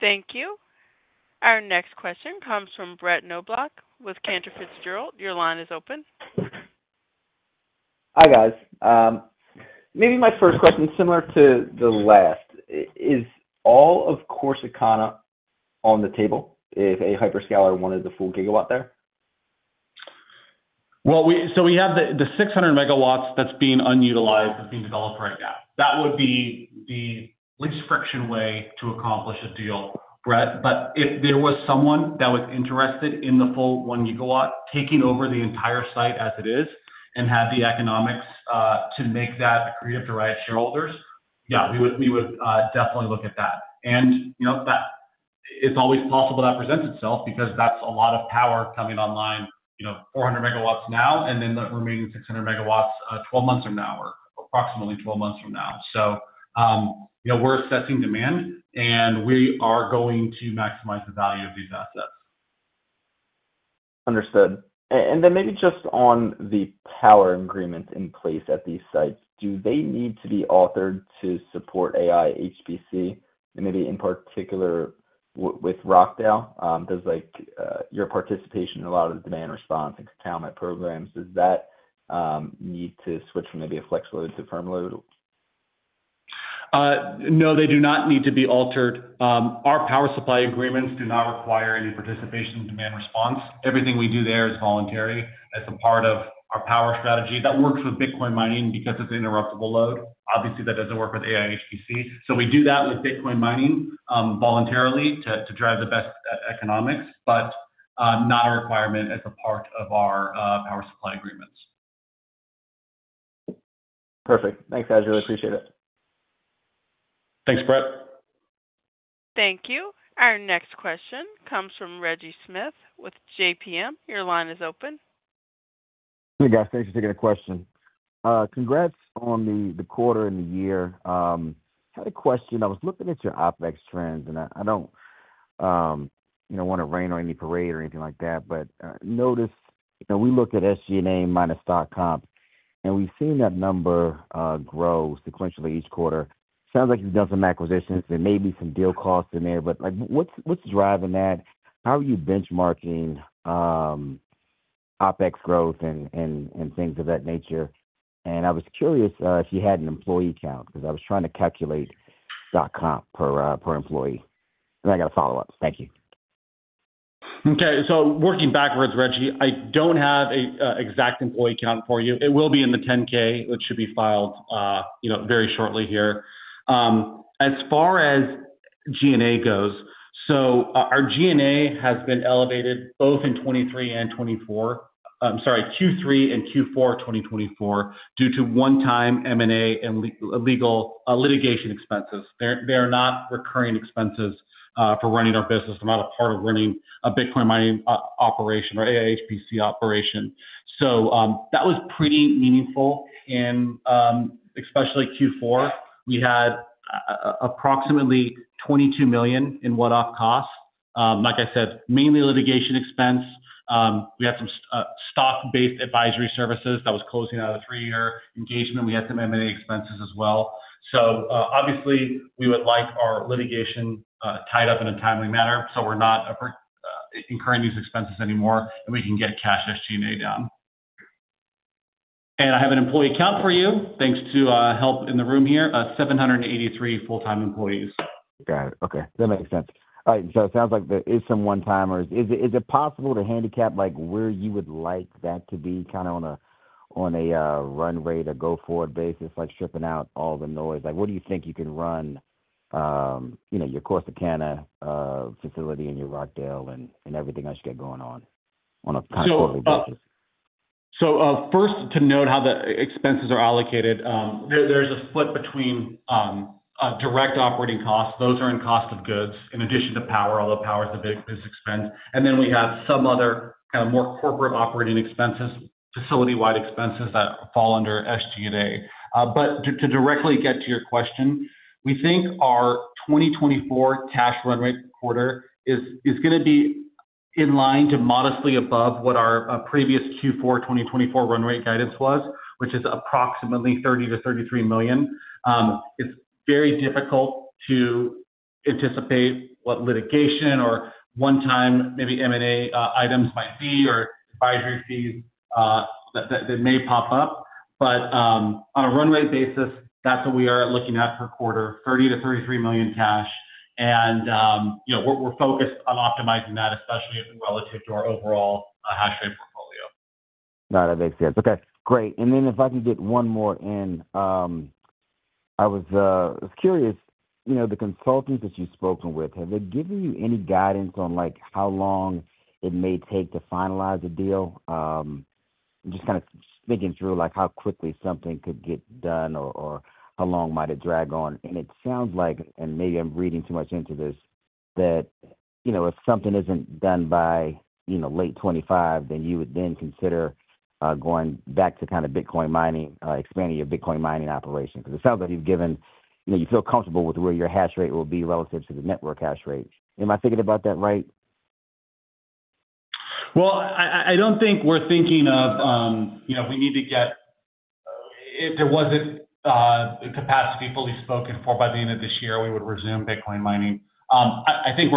[SPEAKER 1] Thank you. Our next question comes from Brett Knoblauch with Cantor Fitzgerald. Your line is open.
[SPEAKER 9] Hi, guys. Maybe my first question is similar to the last. Is all of Corsicana on the table if a hyperscaler wanted the full gigawatt there?
[SPEAKER 3] Well, so we have the 600 MW that's being unutilized, that's being developed right now. That would be the least friction way to accomplish a deal, Brett. But if there was someone that was interested in the full one gigawatt, taking over the entire site as it is, and had the economics to make that agreeable to our shareholders, yeah, we would definitely look at that. And it's always possible that presents itself because that's a lot of power coming online, 400 MW now, and then the remaining 600 MW 12 months from now, or approximately 12 months from now. So we're assessing demand, and we are going to maximize the value of these assets.
[SPEAKER 9] Understood, and then maybe just on the power agreements in place at these sites, do they need to be altered to support AI/HPC? And maybe in particular with Rockdale, does your participation in a lot of the demand response and containment programs, does that need to switch from maybe a flex load to firm load?
[SPEAKER 3] No, they do not need to be altered. Our power supply agreements do not require any participation in demand response. Everything we do there is voluntary. That's a part of our power strategy. That works with Bitcoin mining because it's an interruptible load. Obviously, that doesn't work with AI/HPC. So we do that with Bitcoin mining voluntarily to drive the best economics, but not a requirement as a part of our power supply agreements.
[SPEAKER 9] Perfect. Thanks, guys. Really appreciate it.
[SPEAKER 3] Thanks, Brett.
[SPEAKER 1] Thank you. Our next question comes from Reggie Smith with JPM. Your line is open.
[SPEAKER 10] Hey, guys. Thanks for taking the question. Congrats on the quarter and the year. I had a question. I was looking at your OpEx trends, and I don't want to rain on any parade or anything like that, but notice we look at SG&A minus stock comp, and we've seen that number grow sequentially each quarter. Sounds like you've done some acquisitions. There may be some deal costs in there, but what's driving that? How are you benchmarking OpEx growth and things of that nature? And I was curious if you had an employee count because I was trying to calculate stock comp per employee. And I got a follow-up. Thank you.
[SPEAKER 3] Okay. So working backwards, Reggie, I don't have an exact employee count for you. It will be in the 10-K. It should be filed very shortly here. As far as G&A goes, so our G&A has been elevated both in 2023 and 2024, sorry, Q3 and Q4 2024, due to one-time M&A and legal litigation expenses. They are not recurring expenses for running our business. They're not a part of running a Bitcoin mining operation or AI/HPC operation. So that was pretty meaningful, and especially Q4, we had approximately $22 million in one-off costs. Like I said, mainly litigation expense. We had some stock-based advisory services that was closing out a three-year engagement. We had some M&A expenses as well. So obviously, we would like our litigation tied up in a timely manner so we're not incurring these expenses anymore, and we can get cash SG&A done, and I have an employee count for you, thanks to help in the room here, 783 full-time employees.
[SPEAKER 10] Got it. Okay. That makes sense. All right. So it sounds like there is some one-timers. Is it possible to handicap where you would like that to be kind of on a runway to go forward basis, like stripping out all the noise? What do you think you can run your Corsicana facility and your Rockdale and everything else you got going on on a quarterly basis?
[SPEAKER 3] First, to note how the expenses are allocated, there's a split between direct operating costs. Those are in cost of goods, in addition to power, although power is the biggest expense. And then we have some other kind of more corporate operating expenses, facility-wide expenses that fall under SG&A. But to directly get to your question, we think our 2024 cash runway quarter is going to be in line to modestly above what our previous Q4 2024 runway guidance was, which is approximately $30-$33 million. It's very difficult to anticipate what litigation or one-time maybe M&A items might be or advisory fees that may pop up, but on a runway basis, that's what we are looking at per quarter, $30 million-$33 million cash. And we're focused on optimizing that, especially relative to our overall hash rate portfolio.
[SPEAKER 10] No, that makes sense. Okay. Great, and then if I can get one more in, I was curious, the consultants that you've spoken with, have they given you any guidance on how long it may take to finalize a deal? Just kind of thinking through how quickly something could get done or how long might it drag on. And it sounds like, and maybe I'm reading too much into this, that if something isn't done by late 2025, then you would then consider going back to kind of Bitcoin mining, expanding your Bitcoin mining operation. Because it sounds like you feel comfortable with where your hash rate will be relative to the network hash rate. Am I thinking about that right?
[SPEAKER 3] I don't think we're thinking of it. If there wasn't capacity fully spoken for by the end of this year, we would resume Bitcoin mining. I think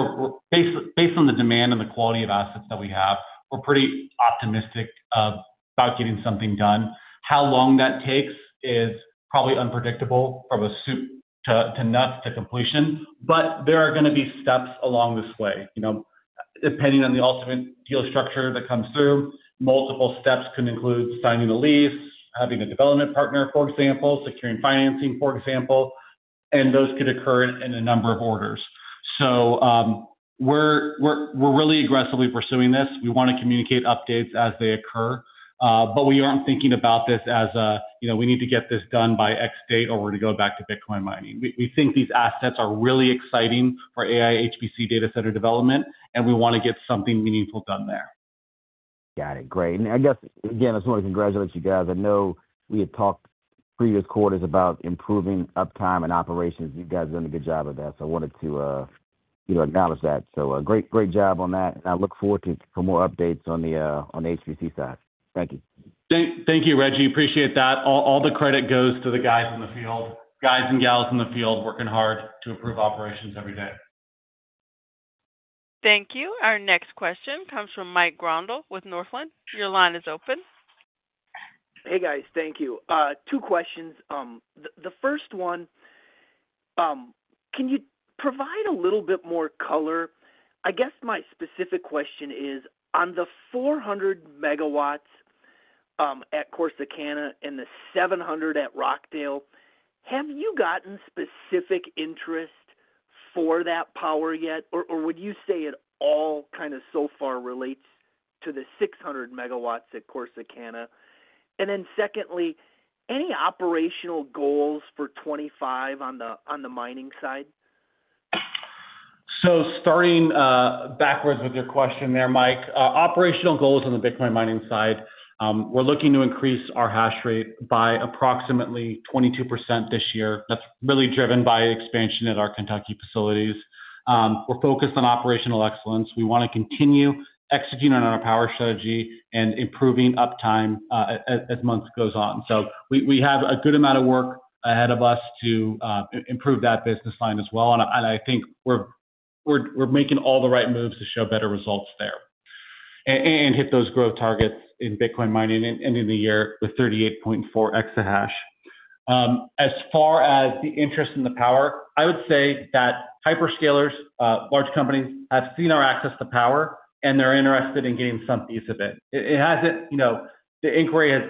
[SPEAKER 3] based on the demand and the quality of assets that we have, we're pretty optimistic about getting something done. How long that takes is probably unpredictable from a soup to nuts to completion. There are going to be steps along this way. Depending on the ultimate deal structure that comes through, multiple steps could include signing a lease, having a development partner, for example, securing financing, for example. Those could occur in a number of orders. We're really aggressively pursuing this. We want to communicate updates as they occur. But we aren't thinking about this as a, "We need to get this done by X date," or, "We're going to go back to Bitcoin mining." We think these assets are really exciting for AI/HPC data center development, and we want to get something meaningful done there.
[SPEAKER 10] Got it. Great. And I guess, again, I just want to congratulate you guys. I know we had talked previous quarters about improving uptime and operations. You guys have done a good job of that. So I wanted to acknowledge that. So great job on that. And I look forward to more updates on the HPC side. Thank you.
[SPEAKER 3] Thank you, Reggie. Appreciate that. All the credit goes to the guys in the field, guys and gals in the field working hard to improve operations every day.
[SPEAKER 1] Thank you. Our next question comes from Mike Grondahl with Northland. Your line is open.
[SPEAKER 11] Hey, guys. Thank you. Two questions. The first one, can you provide a little bit more color? I guess my specific question is, on the 400 MW at Corsicana and the 700 at Rockdale, have you gotten specific interest for that power yet? Or would you say it all kind of so far relates to the 600 MW at Corsicana? And then secondly, any operational goals for 2025 on the mining side?
[SPEAKER 3] Starting backwards with your question there, Mike, operational goals on the Bitcoin mining side, we're looking to increase our hash rate by approximately 22% this year. That's really driven by expansion at our Kentucky facilities. We're focused on operational excellence. We want to continue executing on our power strategy and improving uptime as months go on. We have a good amount of work ahead of us to improve that business line as well. I think we're making all the right moves to show better results there and hit those growth targets in Bitcoin mining and in the year with 38.4 EH/s. As far as the interest in the power, I would say that hyperscalers, large companies, have seen our access to power, and they're interested in getting some piece of it. The inquiry has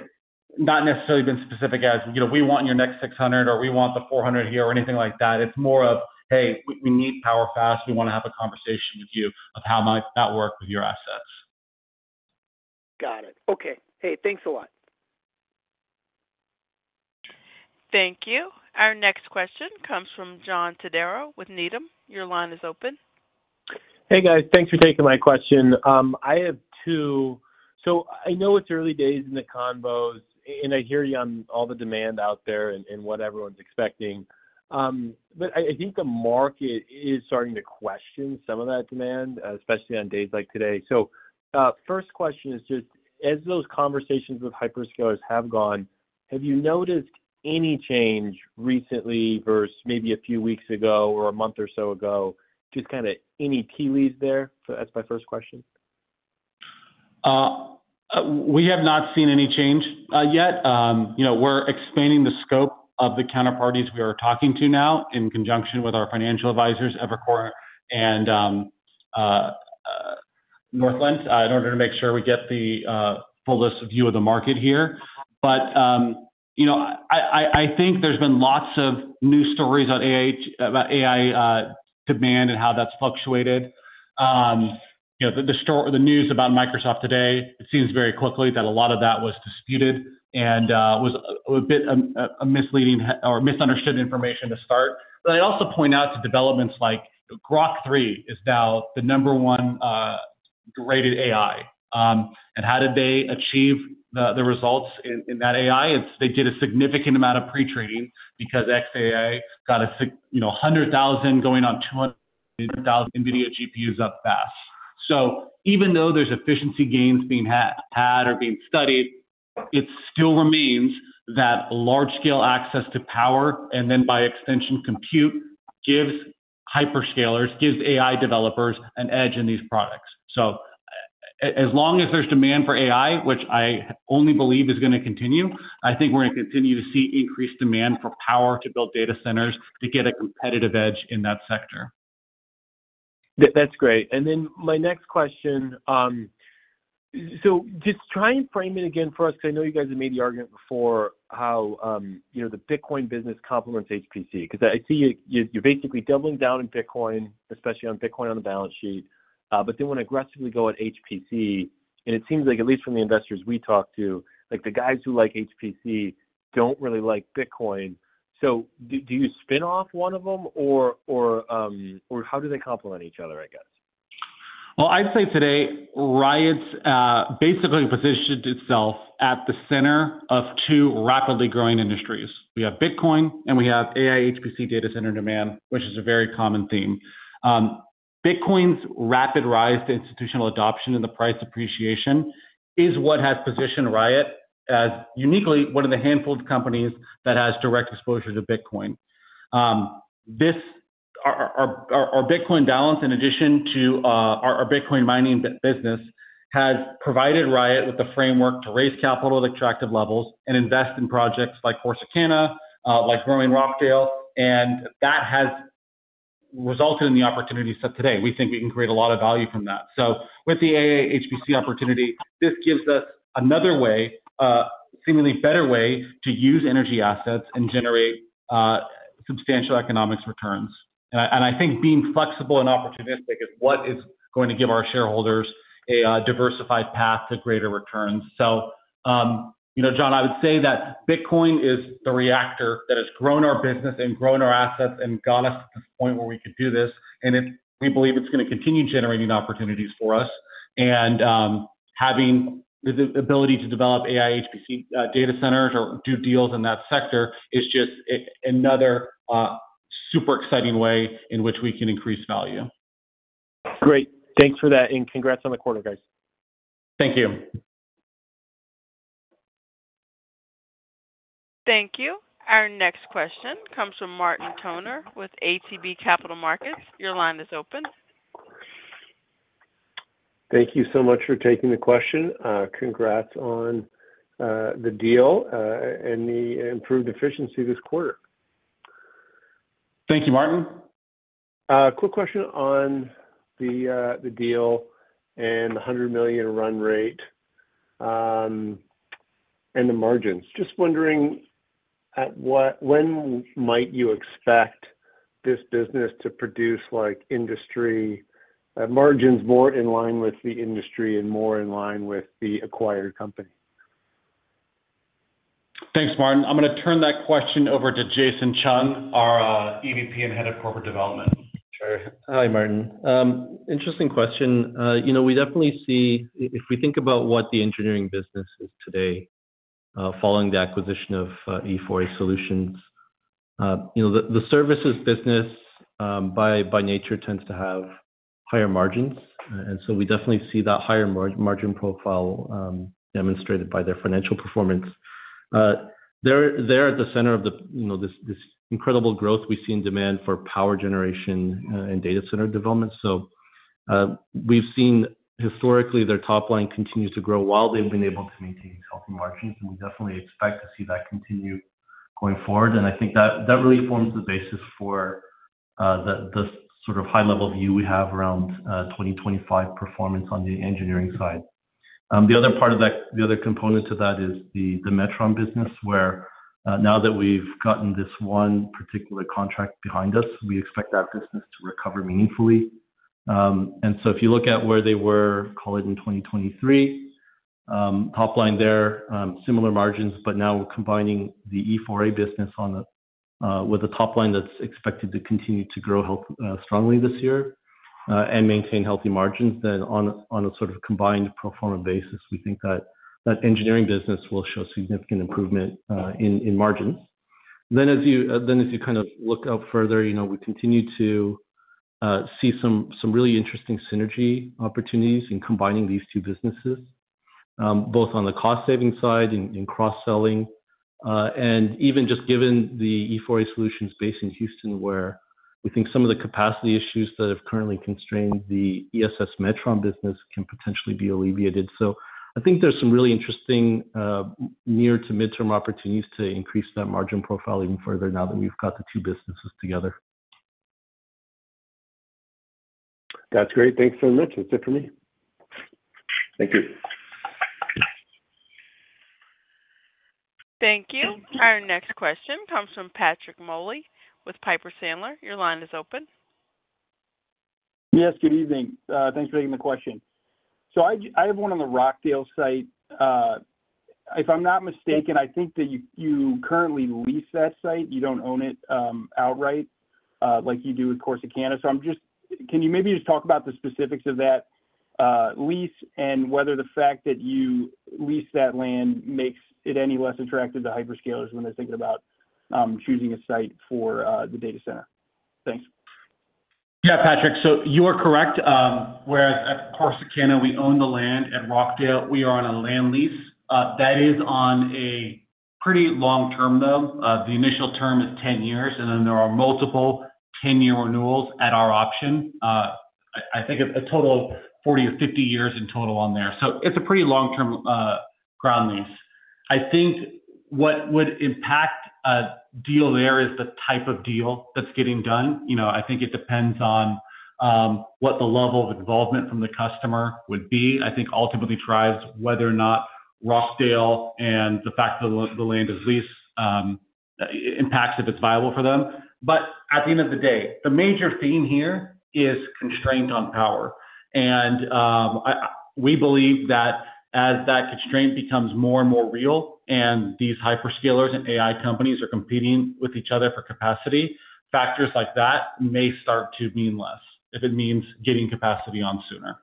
[SPEAKER 3] not necessarily been specific as, "We want your next 600," or, "We want the 400 here," or anything like that. It's more of, "Hey, we need power fast. We want to have a conversation with you of how might that work with your assets."
[SPEAKER 11] Got it. Okay. Hey, thanks a lot.
[SPEAKER 1] Thank you. Our next question comes from John Todaro with Needham. Your line is open.
[SPEAKER 12] Hey, guys. Thanks for taking my question. I have two. So I know it's early days in the convos, and I hear you on all the demand out there and what everyone's expecting. But I think the market is starting to question some of that demand, especially on days like today. So first question is just, as those conversations with hyperscalers have gone, have you noticed any change recently versus maybe a few weeks ago or a month or so ago? Just kind of any tea leaves there? So that's my first question.
[SPEAKER 3] We have not seen any change yet. We're expanding the scope of the counterparties we are talking to now in conjunction with our financial advisors, Evercore and Northland, in order to make sure we get the fullest view of the market here. But I think there's been lots of news stories about AI demand and how that's fluctuated. The news about Microsoft today, it seems very quickly that a lot of that was disputed and was a bit of misleading or misunderstood information to start. But I'd also point out to developments like Grok 3 is now the number one rated AI. And how did they achieve the results in that AI? They did a significant amount of pretraining because xAI got 100,000 going on 200,000 NVIDIA GPUs up fast. So even though there's efficiency gains being had or being studied, it still remains that large-scale access to power and then, by extension, compute gives hyperscalers, gives AI developers an edge in these products. So as long as there's demand for AI, which I only believe is going to continue, I think we're going to continue to see increased demand for power to build data centers to get a competitive edge in that sector.
[SPEAKER 12] That's great. Then my next question, so just try and frame it again for us because I know you guys have made the argument before how the Bitcoin business complements HPC. Because I see you're basically doubling down on Bitcoin, especially on Bitcoin on the balance sheet. But then when I aggressively go at HPC, and it seems like, at least from the investors we talked to, the guys who like HPC don't really like Bitcoin. So do you spin off one of them, or how do they complement each other, I guess?
[SPEAKER 3] Well, I'd say today, Riot's basically positioned itself at the center of two rapidly growing industries. We have Bitcoin, and we have AI/HPC data center demand, which is a very common theme. Bitcoin's rapid rise to institutional adoption and the price appreciation is what has positioned Riot as uniquely one of the handful of companies that has direct exposure to Bitcoin. Our Bitcoin balance, in addition to our Bitcoin mining business, has provided Riot with the framework to raise capital at attractive levels and invest in projects like Corsicana, like growing Rockdale, and that has resulted in the opportunities today. We think we can create a lot of value from that, so with the AI/HPC opportunity, this gives us another way, a seemingly better way to use energy assets and generate substantial economic returns, and I think being flexible and opportunistic is what is going to give our shareholders a diversified path to greater returns. So, John, I would say that Bitcoin is the reactor that has grown our business and grown our assets and got us to this point where we could do this. And we believe it's going to continue generating opportunities for us. And having the ability to develop AI/HPC data centers or do deals in that sector is just another super exciting way in which we can increase value.
[SPEAKER 12] Great. Thanks for that. And congrats on the quarter, guys.
[SPEAKER 3] Thank you.
[SPEAKER 1] Thank you. Our next question comes from Martin Toner with ATB Capital Markets. Your line is open.
[SPEAKER 13] Thank you so much for taking the question. Congrats on the deal and the improved efficiency this quarter.
[SPEAKER 3] Thank you, Martin.
[SPEAKER 13] Quick question on the deal and the $100 million run rate and the margins. Just wondering, when might you expect this business to produce industry margins more in line with the industry and more in line with the acquired company?
[SPEAKER 3] Thanks, Martin. I'm going to turn that question over to Jason Chung, our EVP and head of corporate development.
[SPEAKER 5] Hi, Martin. Interesting question. We definitely see, if we think about what the engineering business is today following the acquisition of E4A Solutions, the services business by nature tends to have higher margins. And so we definitely see that higher margin profile demonstrated by their financial performance. They're at the center of this incredible growth we see in demand for power generation and data center development. So we've seen historically their top line continue to grow while they've been able to maintain healthy margins. And we definitely expect to see that continue going forward. And I think that really forms the basis for the sort of high-level view we have around 2025 performance on the engineering side. The other part of that, the other component to that, is the Metron business, where now that we've gotten this one particular contract behind us, we expect that business to recover meaningfully. And so if you look at where they were, call it in 2023, top line there, similar margins, but now we're combining the E4A business with a top line that's expected to continue to grow strongly this year and maintain healthy margins. Then on a sort of combined pro forma basis, we think that engineering business will show significant improvement in margins. Then as you kind of look up further, we continue to see some really interesting synergy opportunities in combining these two businesses, both on the cost-saving side and cross-selling. And even just given the E4A Solutions base in Houston, where we think some of the capacity issues that have currently constrained the ESS Metron business can potentially be alleviated. So I think there's some really interesting near-to-mid-term opportunities to increase that margin profile even further now that we've got the two businesses together.
[SPEAKER 13] That's great. Thanks very much. That's it for me.
[SPEAKER 5] Thank you.
[SPEAKER 1] Thank you. Our next question comes from Patrick Moley with Piper Sandler. Your line is open.
[SPEAKER 14] Yes, good evening. Thanks for taking the question. So I have one on the Rockdale site. If I'm not mistaken, I think that you currently lease that site. You don't own it outright like you do with Corsicana. So can you maybe just talk about the specifics of that lease and whether the fact that you lease that land makes it any less attractive to hyperscalers when they're thinking about choosing a site for the data center? Thanks.
[SPEAKER 3] Yeah, Patrick. So you are correct. Whereas at Corsicana, we own the land at Rockdale. We are on a land lease. That is on a pretty long term, though. The initial term is 10 years, and then there are multiple 10-year renewals at our option. I think a total of 40 or 50 years in total on there. So it's a pretty long-term ground lease. I think what would impact a deal there is the type of deal that's getting done. I think it depends on what the level of involvement from the customer would be. I think ultimately drives whether or not Rockdale and the fact that the land is leased impacts if it's viable for them. But at the end of the day, the major theme here is constraint on power. And we believe that as that constraint becomes more and more real and these hyperscalers and AI companies are competing with each other for capacity, factors like that may start to mean less if it means getting capacity on sooner.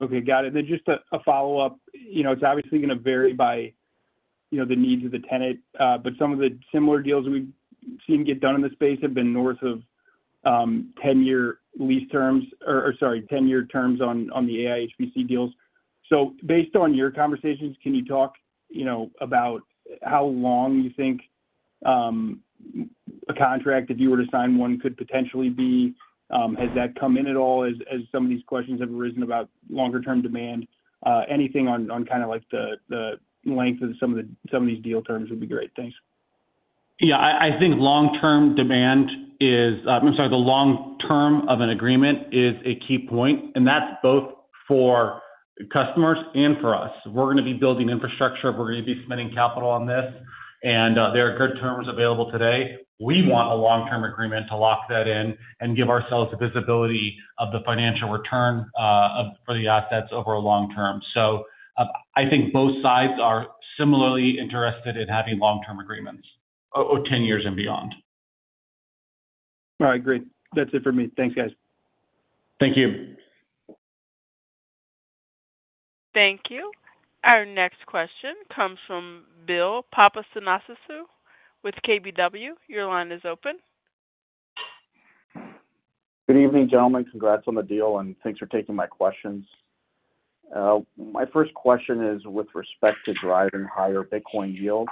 [SPEAKER 14] Okay. Got it. And then just a follow-up. It's obviously going to vary by the needs of the tenant. But some of the similar deals we've seen get done in the space have been north of 10-year lease terms or, sorry, 10-year terms on the AI/HPC deals. So based on your conversations, can you talk about how long you think a contract, if you were to sign one, could potentially be? Has that come in at all as some of these questions have arisen about longer-term demand? Anything on kind of like the length of some of these deal terms would be great. Thanks.
[SPEAKER 3] Yeah. I think long-term demand is, I'm sorry, the long term of an agreement is a key point. And that's both for customers and for us. We're going to be building infrastructure. We're going to be spending capital on this. And there are good terms available today. We want a long-term agreement to lock that in and give ourselves the visibility of the financial return for the assets over a long term. So I think both sides are similarly interested in having long-term agreements or 10 years and beyond.
[SPEAKER 14] I agree. That's it for me. Thanks, guys.
[SPEAKER 3] Thank you.
[SPEAKER 1] Thank you. Our next question comes from Bill Papanastasiou with KBW. Your line is open.
[SPEAKER 15] Good evening, gentlemen. Congrats on the deal, and thanks for taking my questions. My first question is with respect to driving higher Bitcoin yield.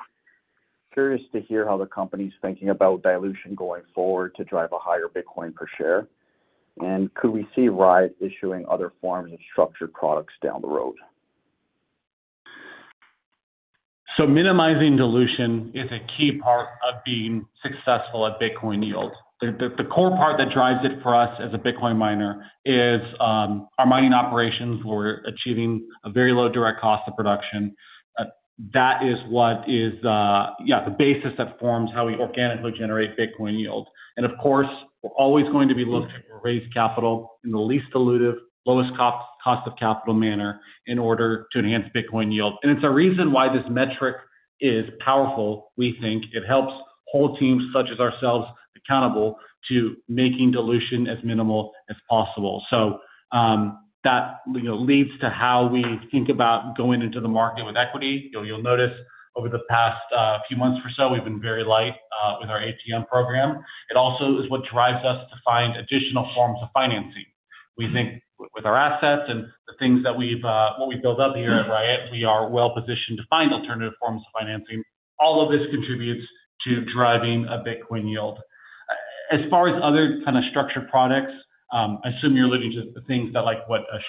[SPEAKER 15] Curious to hear how the company's thinking about dilution going forward to drive a higher Bitcoin per share. And could we see Riot issuing other forms of structured products down the road?
[SPEAKER 3] So minimizing dilution is a key part of being successful at Bitcoin yield. The core part that drives it for us as a Bitcoin miner is our mining operations where we're achieving a very low direct cost of production. That is what is the basis that forms how we organically generate Bitcoin yield. And of course, we're always going to be looking to raise capital in the least dilutive, lowest cost of capital manner in order to enhance Bitcoin yield. And it's a reason why this metric is powerful, we think. It helps hold whole teams such as ourselves accountable to making dilution as minimal as possible. So that leads to how we think about going into the market with equity. You'll notice over the past few months or so, we've been very light with our ATM program. It also is what drives us to find additional forms of financing. We think with our assets and the things that we've built up here at Riot, we are well-positioned to find alternative forms of financing. All of this contributes to driving a Bitcoin yield. As far as other kind of structured products, I assume you're alluding to the things that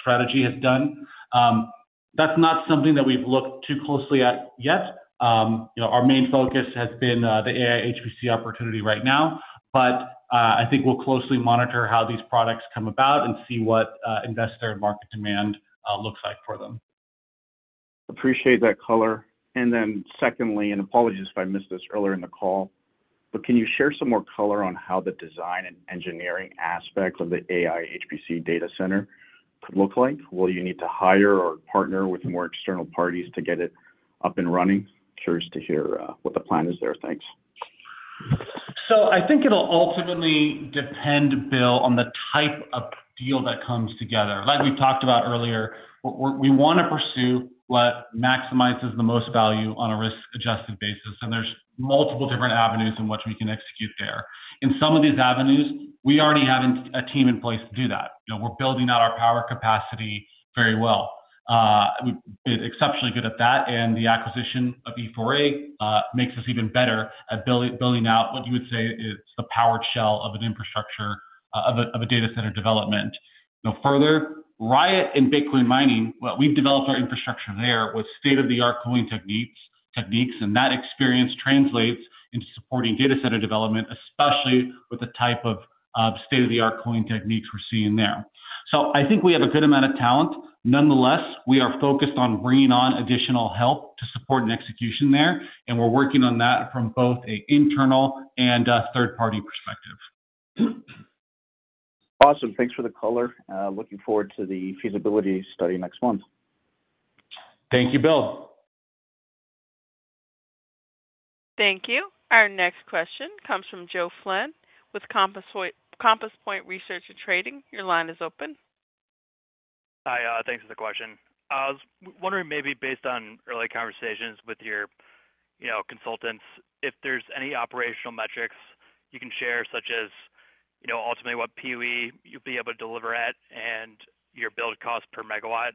[SPEAKER 3] Strategy has done. That's not something that we've looked too closely at yet. Our main focus has been the AI/HPC opportunity right now. But I think we'll closely monitor how these products come about and see what investor and market demand looks like for them.
[SPEAKER 15] Appreciate that color. And then secondly, and apologies if I missed this earlier in the call, but can you share some more color on how the design and engineering aspects of the AI/HPC data center could look like? Will you need to hire or partner with more external parties to get it up and running? Curious to hear what the plan is there. Thanks.
[SPEAKER 3] So I think it'll ultimately depend, Bill, on the type of deal that comes together. Like we've talked about earlier, we want to pursue what maximizes the most value on a risk-adjusted basis. And there's multiple different avenues in which we can execute there. In some of these avenues, we already have a team in place to do that. We're building out our power capacity very well. We've been exceptionally good at that. And the acquisition of E4A makes us even better at building out what you would say is the power shelf of an infrastructure of a data center development. Further, Riot and Bitcoin mining, well, we've developed our infrastructure there with state-of-the-art cooling techniques. And that experience translates into supporting data center development, especially with the type of state-of-the-art cooling techniques we're seeing there. So I think we have a good amount of talent. Nonetheless, we are focused on bringing on additional help to support an execution there. And we're working on that from both an internal and a third-party perspective.
[SPEAKER 15] Awesome. Thanks for the color. Looking forward to the feasibility study next month.
[SPEAKER 3] Thank you, Bill.
[SPEAKER 1] Thank you. Our next question comes from Joe Flynn with Compass Point Research and Trading. Your line is open.
[SPEAKER 16] Hi. Thanks for the question. I was wondering maybe based on early conversations with your consultants, if there's any operational metrics you can share, such as ultimately what PUE you'll be able to deliver at and your build cost per megawatt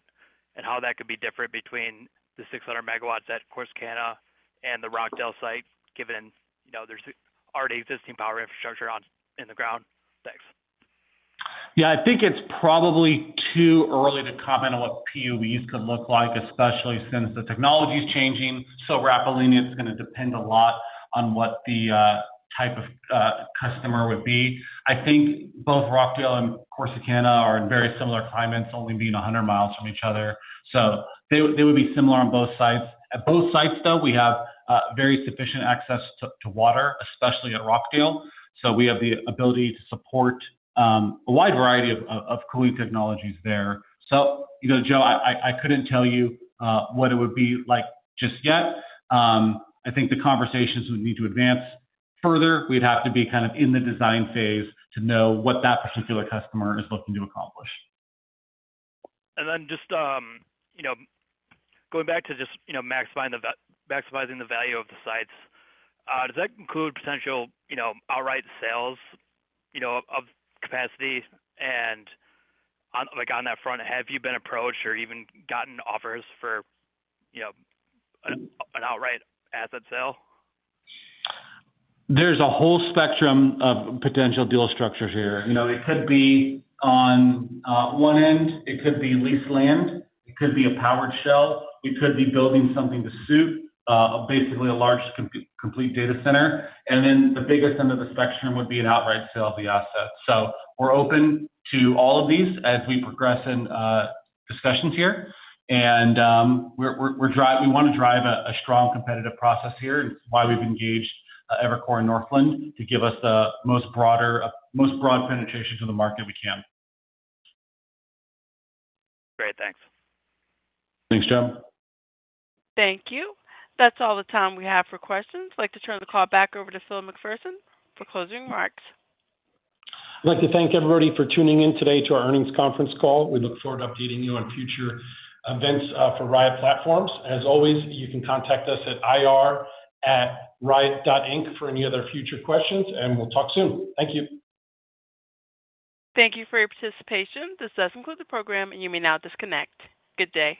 [SPEAKER 16] and how that could be different between the 600 MW at Corsicana and the Rockdale site, given there's already existing power infrastructure in the ground. Thanks.
[SPEAKER 3] Yeah. I think it's probably too early to comment on what PUEs could look like, especially since the technology's changing so rapidly. It's going to depend a lot on what the type of customer would be. I think both Rockdale and Corsicana are in very similar climates, only being 100 mi from each other. So they would be similar on both sides. At both sites, though, we have very sufficient access to water, especially at Rockdale. So we have the ability to support a wide variety of cooling technologies there. So, Joe, I couldn't tell you what it would be like just yet. I think the conversations would need to advance further. We'd have to be kind of in the design phase to know what that particular customer is looking to accomplish.
[SPEAKER 16] And then just going back to just maximizing the value of the sites, does that include potential outright sales of capacity? And on that front, have you been approached or even gotten offers for an outright asset sale?
[SPEAKER 3] There's a whole spectrum of potential deal structures here. It could be on one end. It could be leased land. It could be a powered shell. It could be building something to suit basically a large complete data center. And then the biggest end of the spectrum would be an outright sale of the asset. So we're open to all of these as we progress in discussions here. And we want to drive a strong competitive process here. And it's why we've engaged Evercore and Northland to give us the most broad penetration to the market we can.
[SPEAKER 16] Great. Thanks.
[SPEAKER 3] Thanks, Joe.
[SPEAKER 1] Thank you. That's all the time we have for questions. I'd like to turn the call back over to Phil McPherson for closing remarks.
[SPEAKER 2] I'd like to thank everybody for tuning in today to our earnings conference call. We look forward to updating you on future events for Riot Platforms. As always, you can contact us at ir@riot.inc for any other future questions. And we'll talk soon. Thank you.
[SPEAKER 1] Thank you for your participation. This does conclude the program, and you may now disconnect. Good day.